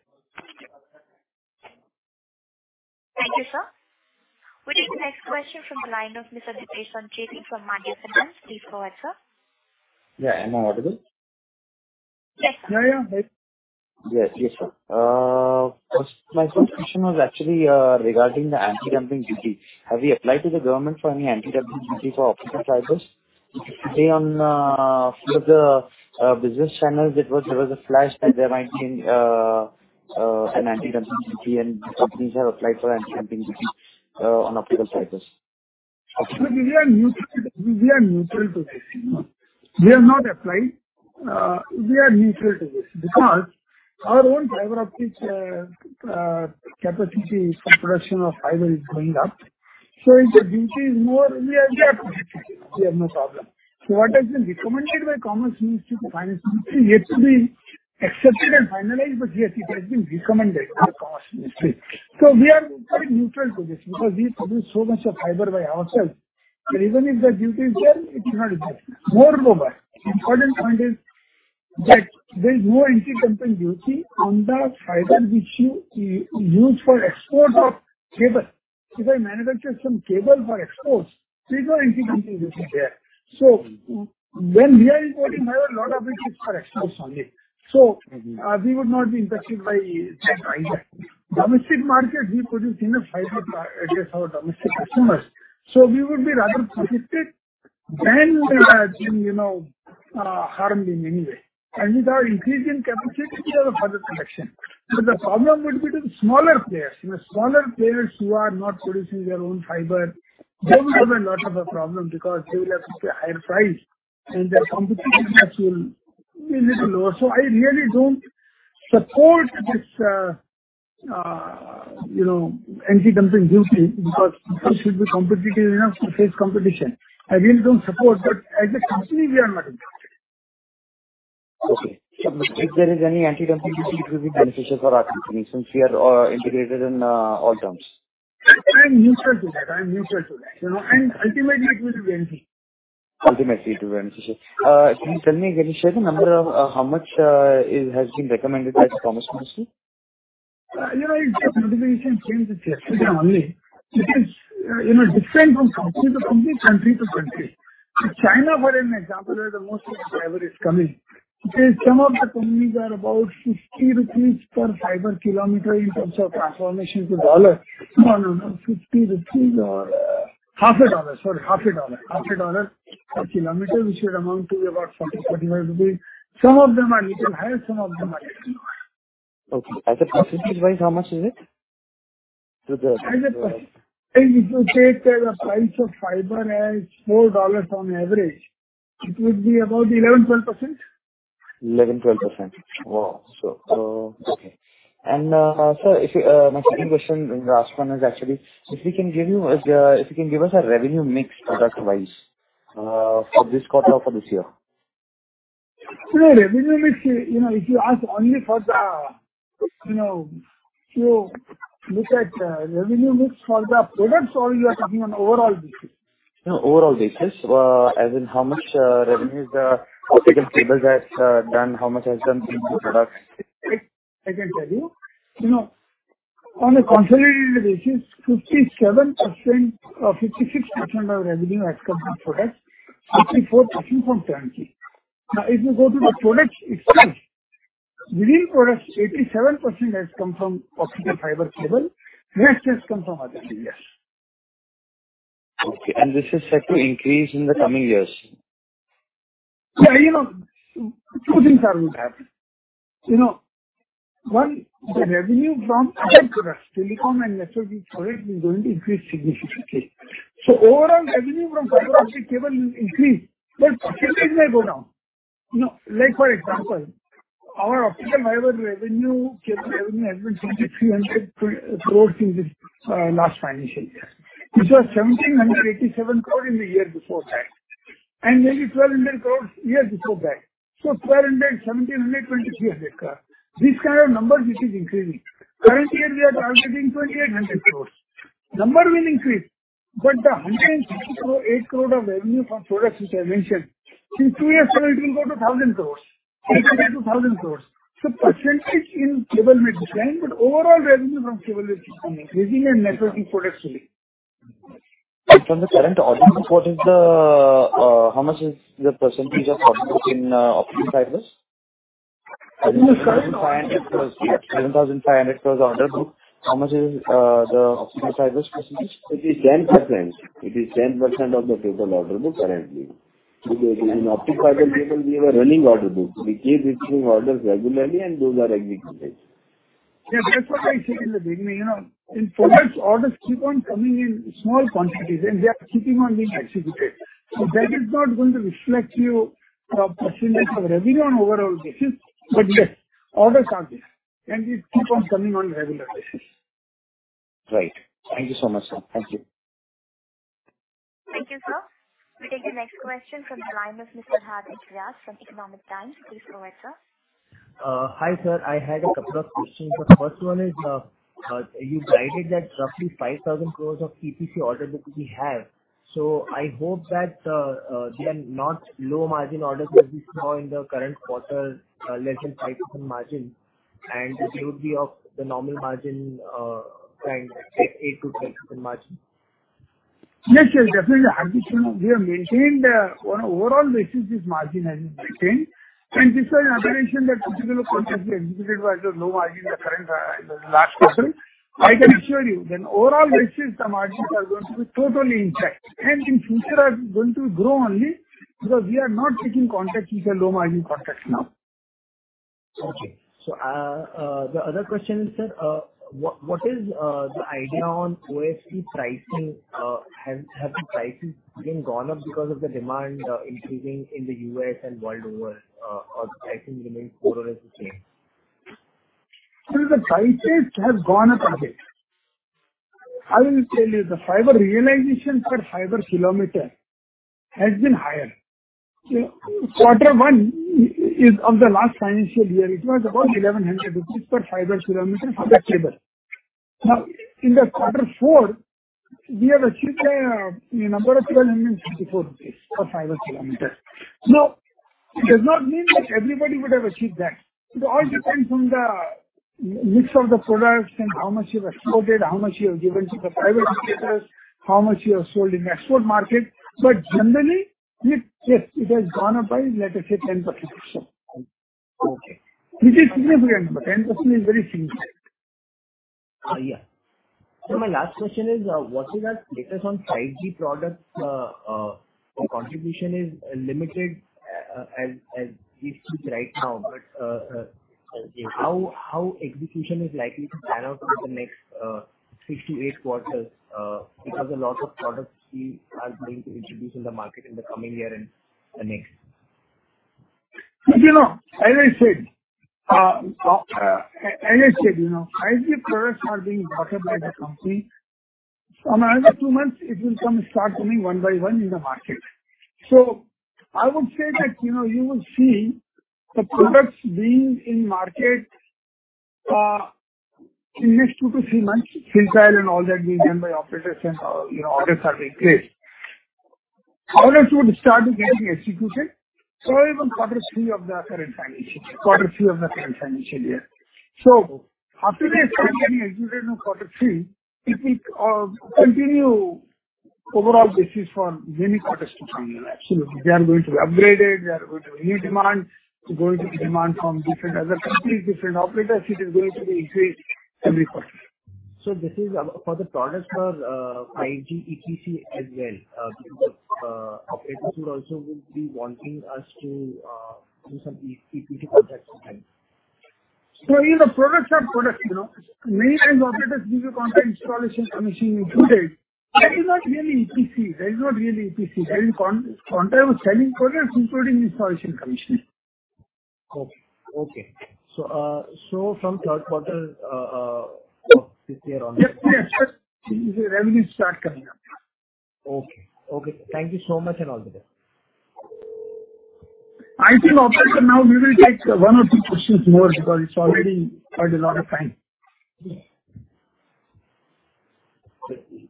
Next question from the line of Mr. Dipesh J. Sancheti from Maanya Finance. Please go ahead, sir. Yeah. Am I audible? Yes. Yeah, yeah. Yes. Yes, sir. First, my first question was actually regarding the antidumping duty. Have you applied to the government for any antidumping duty for optical fibers? Today on few of the business channels it was, there was a flash that there might be an antidumping duty. Companies have applied for antidumping duty on optical fibers. Look, we are neutral. We are neutral to this, you know. We have not applied. We are neutral to this because our own fiber optic capacity for production of fiber is going up. If the duty is more, we are. Mm-hmm. We have no problem. What has been recommended by Commerce Ministry to Finance Ministry is yet to be accepted and finalized, but yet it has been recommended by the Commerce Ministry. We are quite neutral to this because we produce so much of fiber by ourselves that even if the duty is there, it is not effective. Moreover, important point is that there is no antidumping duty on the fiber which you use for export of cable. If I manufacture some cable for exports, there's no antidumping duty there. When we are importing fiber, lot of it is for exports only. Mm-hmm. we would not be impacted by that either. Domestic market, we produce enough fiber for, I guess, our domestic consumers, so we would be rather protected than, you know, harmed in any way. With our increasing capacity, we have a further protection. The problem would be to the smaller players. You know, smaller players who are not producing their own fiber, they will have a lot of a problem because they will have to pay higher price and their competitiveness will be little lower. I really don't support this, you know, antidumping duty because people should be competitive enough to face competition. I really don't support, but as a company, we are not impacted. Okay. If there is any antidumping duty, it will be beneficial for our company since we are integrated in all terms. I'm neutral to that. I am neutral to that, you know. Ultimately it will be empty. Ultimately it will be beneficial. Can you tell me, can you share the number of, how much has been recommended by the Commerce Ministry? You know, it can, nothing we can change. It's yesterday only. Because, you know, different from company to company, country to country. China, for an example, where the most of the fiber is coming, there some of the companies are about 60 rupees per fiber kilometer in terms of transformation to dollar. No, no. 50 rupees or, half a dollar. Sorry, half a dollar. Half a dollar per kilometer, which would amount to about 40-45 rupees. Some of them are little higher, some of them are little lower. Okay. As a percentage-wise, how much is it to the? As a percent, if you take the price of fiber as $4 on average, it would be about 11%, 12%. 11%, 12%. Wow. Okay. Sir, if you, my second question, the last one, is actually if you can give me, if you can give us a revenue mix product-wise, for this quarter or for this year? Today revenue mix, you know, if you ask only for the, you know, you look at revenue mix for the products or you are talking on overall basis? No, overall basis. As in how much revenue is optical cables has done, how much has done in the products? I can tell you. You know, on a consolidated basis, 57% or 56% of revenue has come from products. 54% from turnkey. If you go to the products itself, within products, 87% has come from optical fiber cable. Rest has come from other areas. Okay. This is set to increase in the coming years. Yeah. You know, two things are going to happen. You know, one, the revenue from other products, telecom and networking products, is going to increase significantly. Overall revenue from fiber optic cable will increase, but percentage may go down. You know, like for example, our optical fiber revenue, cable revenue, has been 2,300 crore in this last financial year, which was 1,787 crore in the year before that, and maybe 1,200 crore years before that. 1,200 crore, 1,700 crore, 2,300 crore. This kind of number, this is increasing. Currently year, we are targeting 2,800 crore. Number will increase, but the 108 crore of revenue from products which I mentioned, in two years from now it will go to 1,000 crore. It will go to 1,000 crore. Percentage in cable may decline, but overall revenue from cable is increasing and networking products will increase. From the current order book, what is the, how much is the percentage of products in optical fibers? Seven thousand five hundred crore. INR 7,500 crore order book. How much is the optical fibers percentage? It is 10%. It is 10% of the total order book currently. In optical fiber cable, we have a running order book. We keep issuing orders regularly and those are executed. Yeah. That's what I said in the beginning. You know, in products, orders keep on coming in small quantities, and they are keeping on being executed. That is not going to reflect you percentage of revenue on overall basis. Yes, orders are there, and it keep on coming on regular basis. Right. Thank you so much, sir. Thank you. Thank you, sir. We take the next question from the line of Mr. Hardik Vyas from Economic Times. Please go ahead, sir. Hi, sir. I had a couple of questions. The first one is, you guided that roughly 5,000 crore of TPC order book we have. I hope that they are not low-margin orders like we saw in the current quarter, less than 5% margin. It would be of the normal margin kind, like 8%-10% margin. Yes, yes, definitely. I think we have maintained. Our overall basis margin has been maintained. Despite an observation that particular contracts we executed were at a low margin in the current, in the last quarter, I can assure you that overall basis, the margins are going to be totally intact, and in future are going to grow only because we are not taking contracts which are low margin contracts now. Okay. The other question, sir. What is the idea on OFC pricing? Has the pricing been gone up because of the demand increasing in the U.S. and worldwide, or the pricing remains more or less the same? The prices has gone up a bit. I will tell you, the fiber realization per fiber kilometer has been higher. Quarter one of the last financial year, it was about 1,100 rupees per fiber kilometer for that cable. In the Q4, we have achieved a number of INR 1,254 per fiber kilometer. It does not mean that everybody would have achieved that. It all depends on the mix of the products and how much you have exported, how much you have given to the private operators, how much you have sold in the export market. Generally, yes, it has gone up by, let us say, 10%. Okay. Which is significant. 10% is very significant. Yeah. My last question is, what is our status on 5G products? Contribution is limited, as we speak right now. Yes. how execution is likely to pan out over the next, six to eight quarters, because a lot of products we are going to introduce in the market in the coming year and the next. You know, as I said, you know, 5G products are being brought up by the company. From another two months, it will come, start coming 1 by 1 in the market. I would say that, you know, you will see the products being in market in this two-three months. Since I'll and all that being done by operators and, you know, orders are being placed. Orders would start getting executed somewhere around Q3 of the current financial year. After it has started getting executed in Q3, it will continue overall basis for many quarters to come. Absolutely. They are going to be upgraded. They are going to be new demand. Going to be demand from different, other completely different operators. It is going to be increased every quarter. This is for the products for 5G ETC as well, because operators would also be wanting us to do some E-ETC contracts with them. these are products, you know. Many times operators give you a contract installation, commissioning included. That is not really etc. That is not really etc. That is contract with selling products including installation, commissioning. Okay. Okay. From third quarter of this year on- Yes. Yes. Yes. Revenue start coming up. Okay. Okay. Thank you so much and all the best. I think, operator, now we will take one or two questions more because it's already quite a lot of time. Thank you,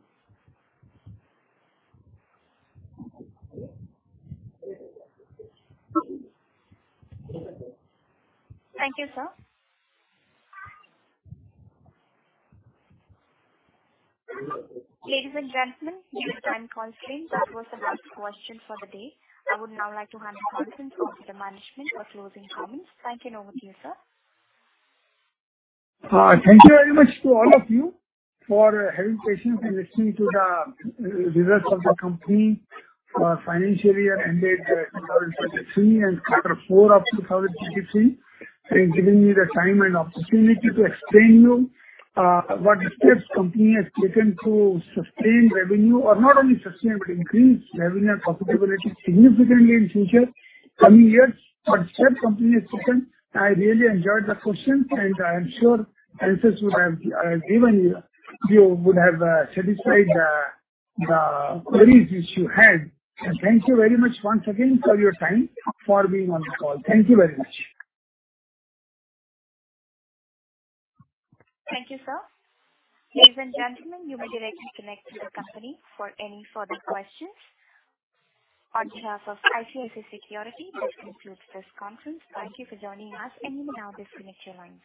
sir. Ladies and gentlemen, your time call stream. That was the last question for the day. I would now like to hand the conference over to the management for closing comments. Back and over to you, sir. Thank you very much to all of you for having patience and listening to the results of the company for financial year ended 2023, and quarter four of 2022, and giving me the time and opportunity to explain you what steps company has taken to sustain revenue. Not only sustain, but increase revenue and profitability significantly in future coming years. What steps company has taken. I really enjoyed the questions, and I am sure answers would have given you would have satisfied the queries which you had. Thank you very much once again for your time, for being on the call. Thank you very much. Thank you, sir. Ladies and gentlemen, you may directly connect to the company for any further questions. On behalf of ICICI Securities, this concludes this conference. Thank you for joining us, and you may now disconnect your lines.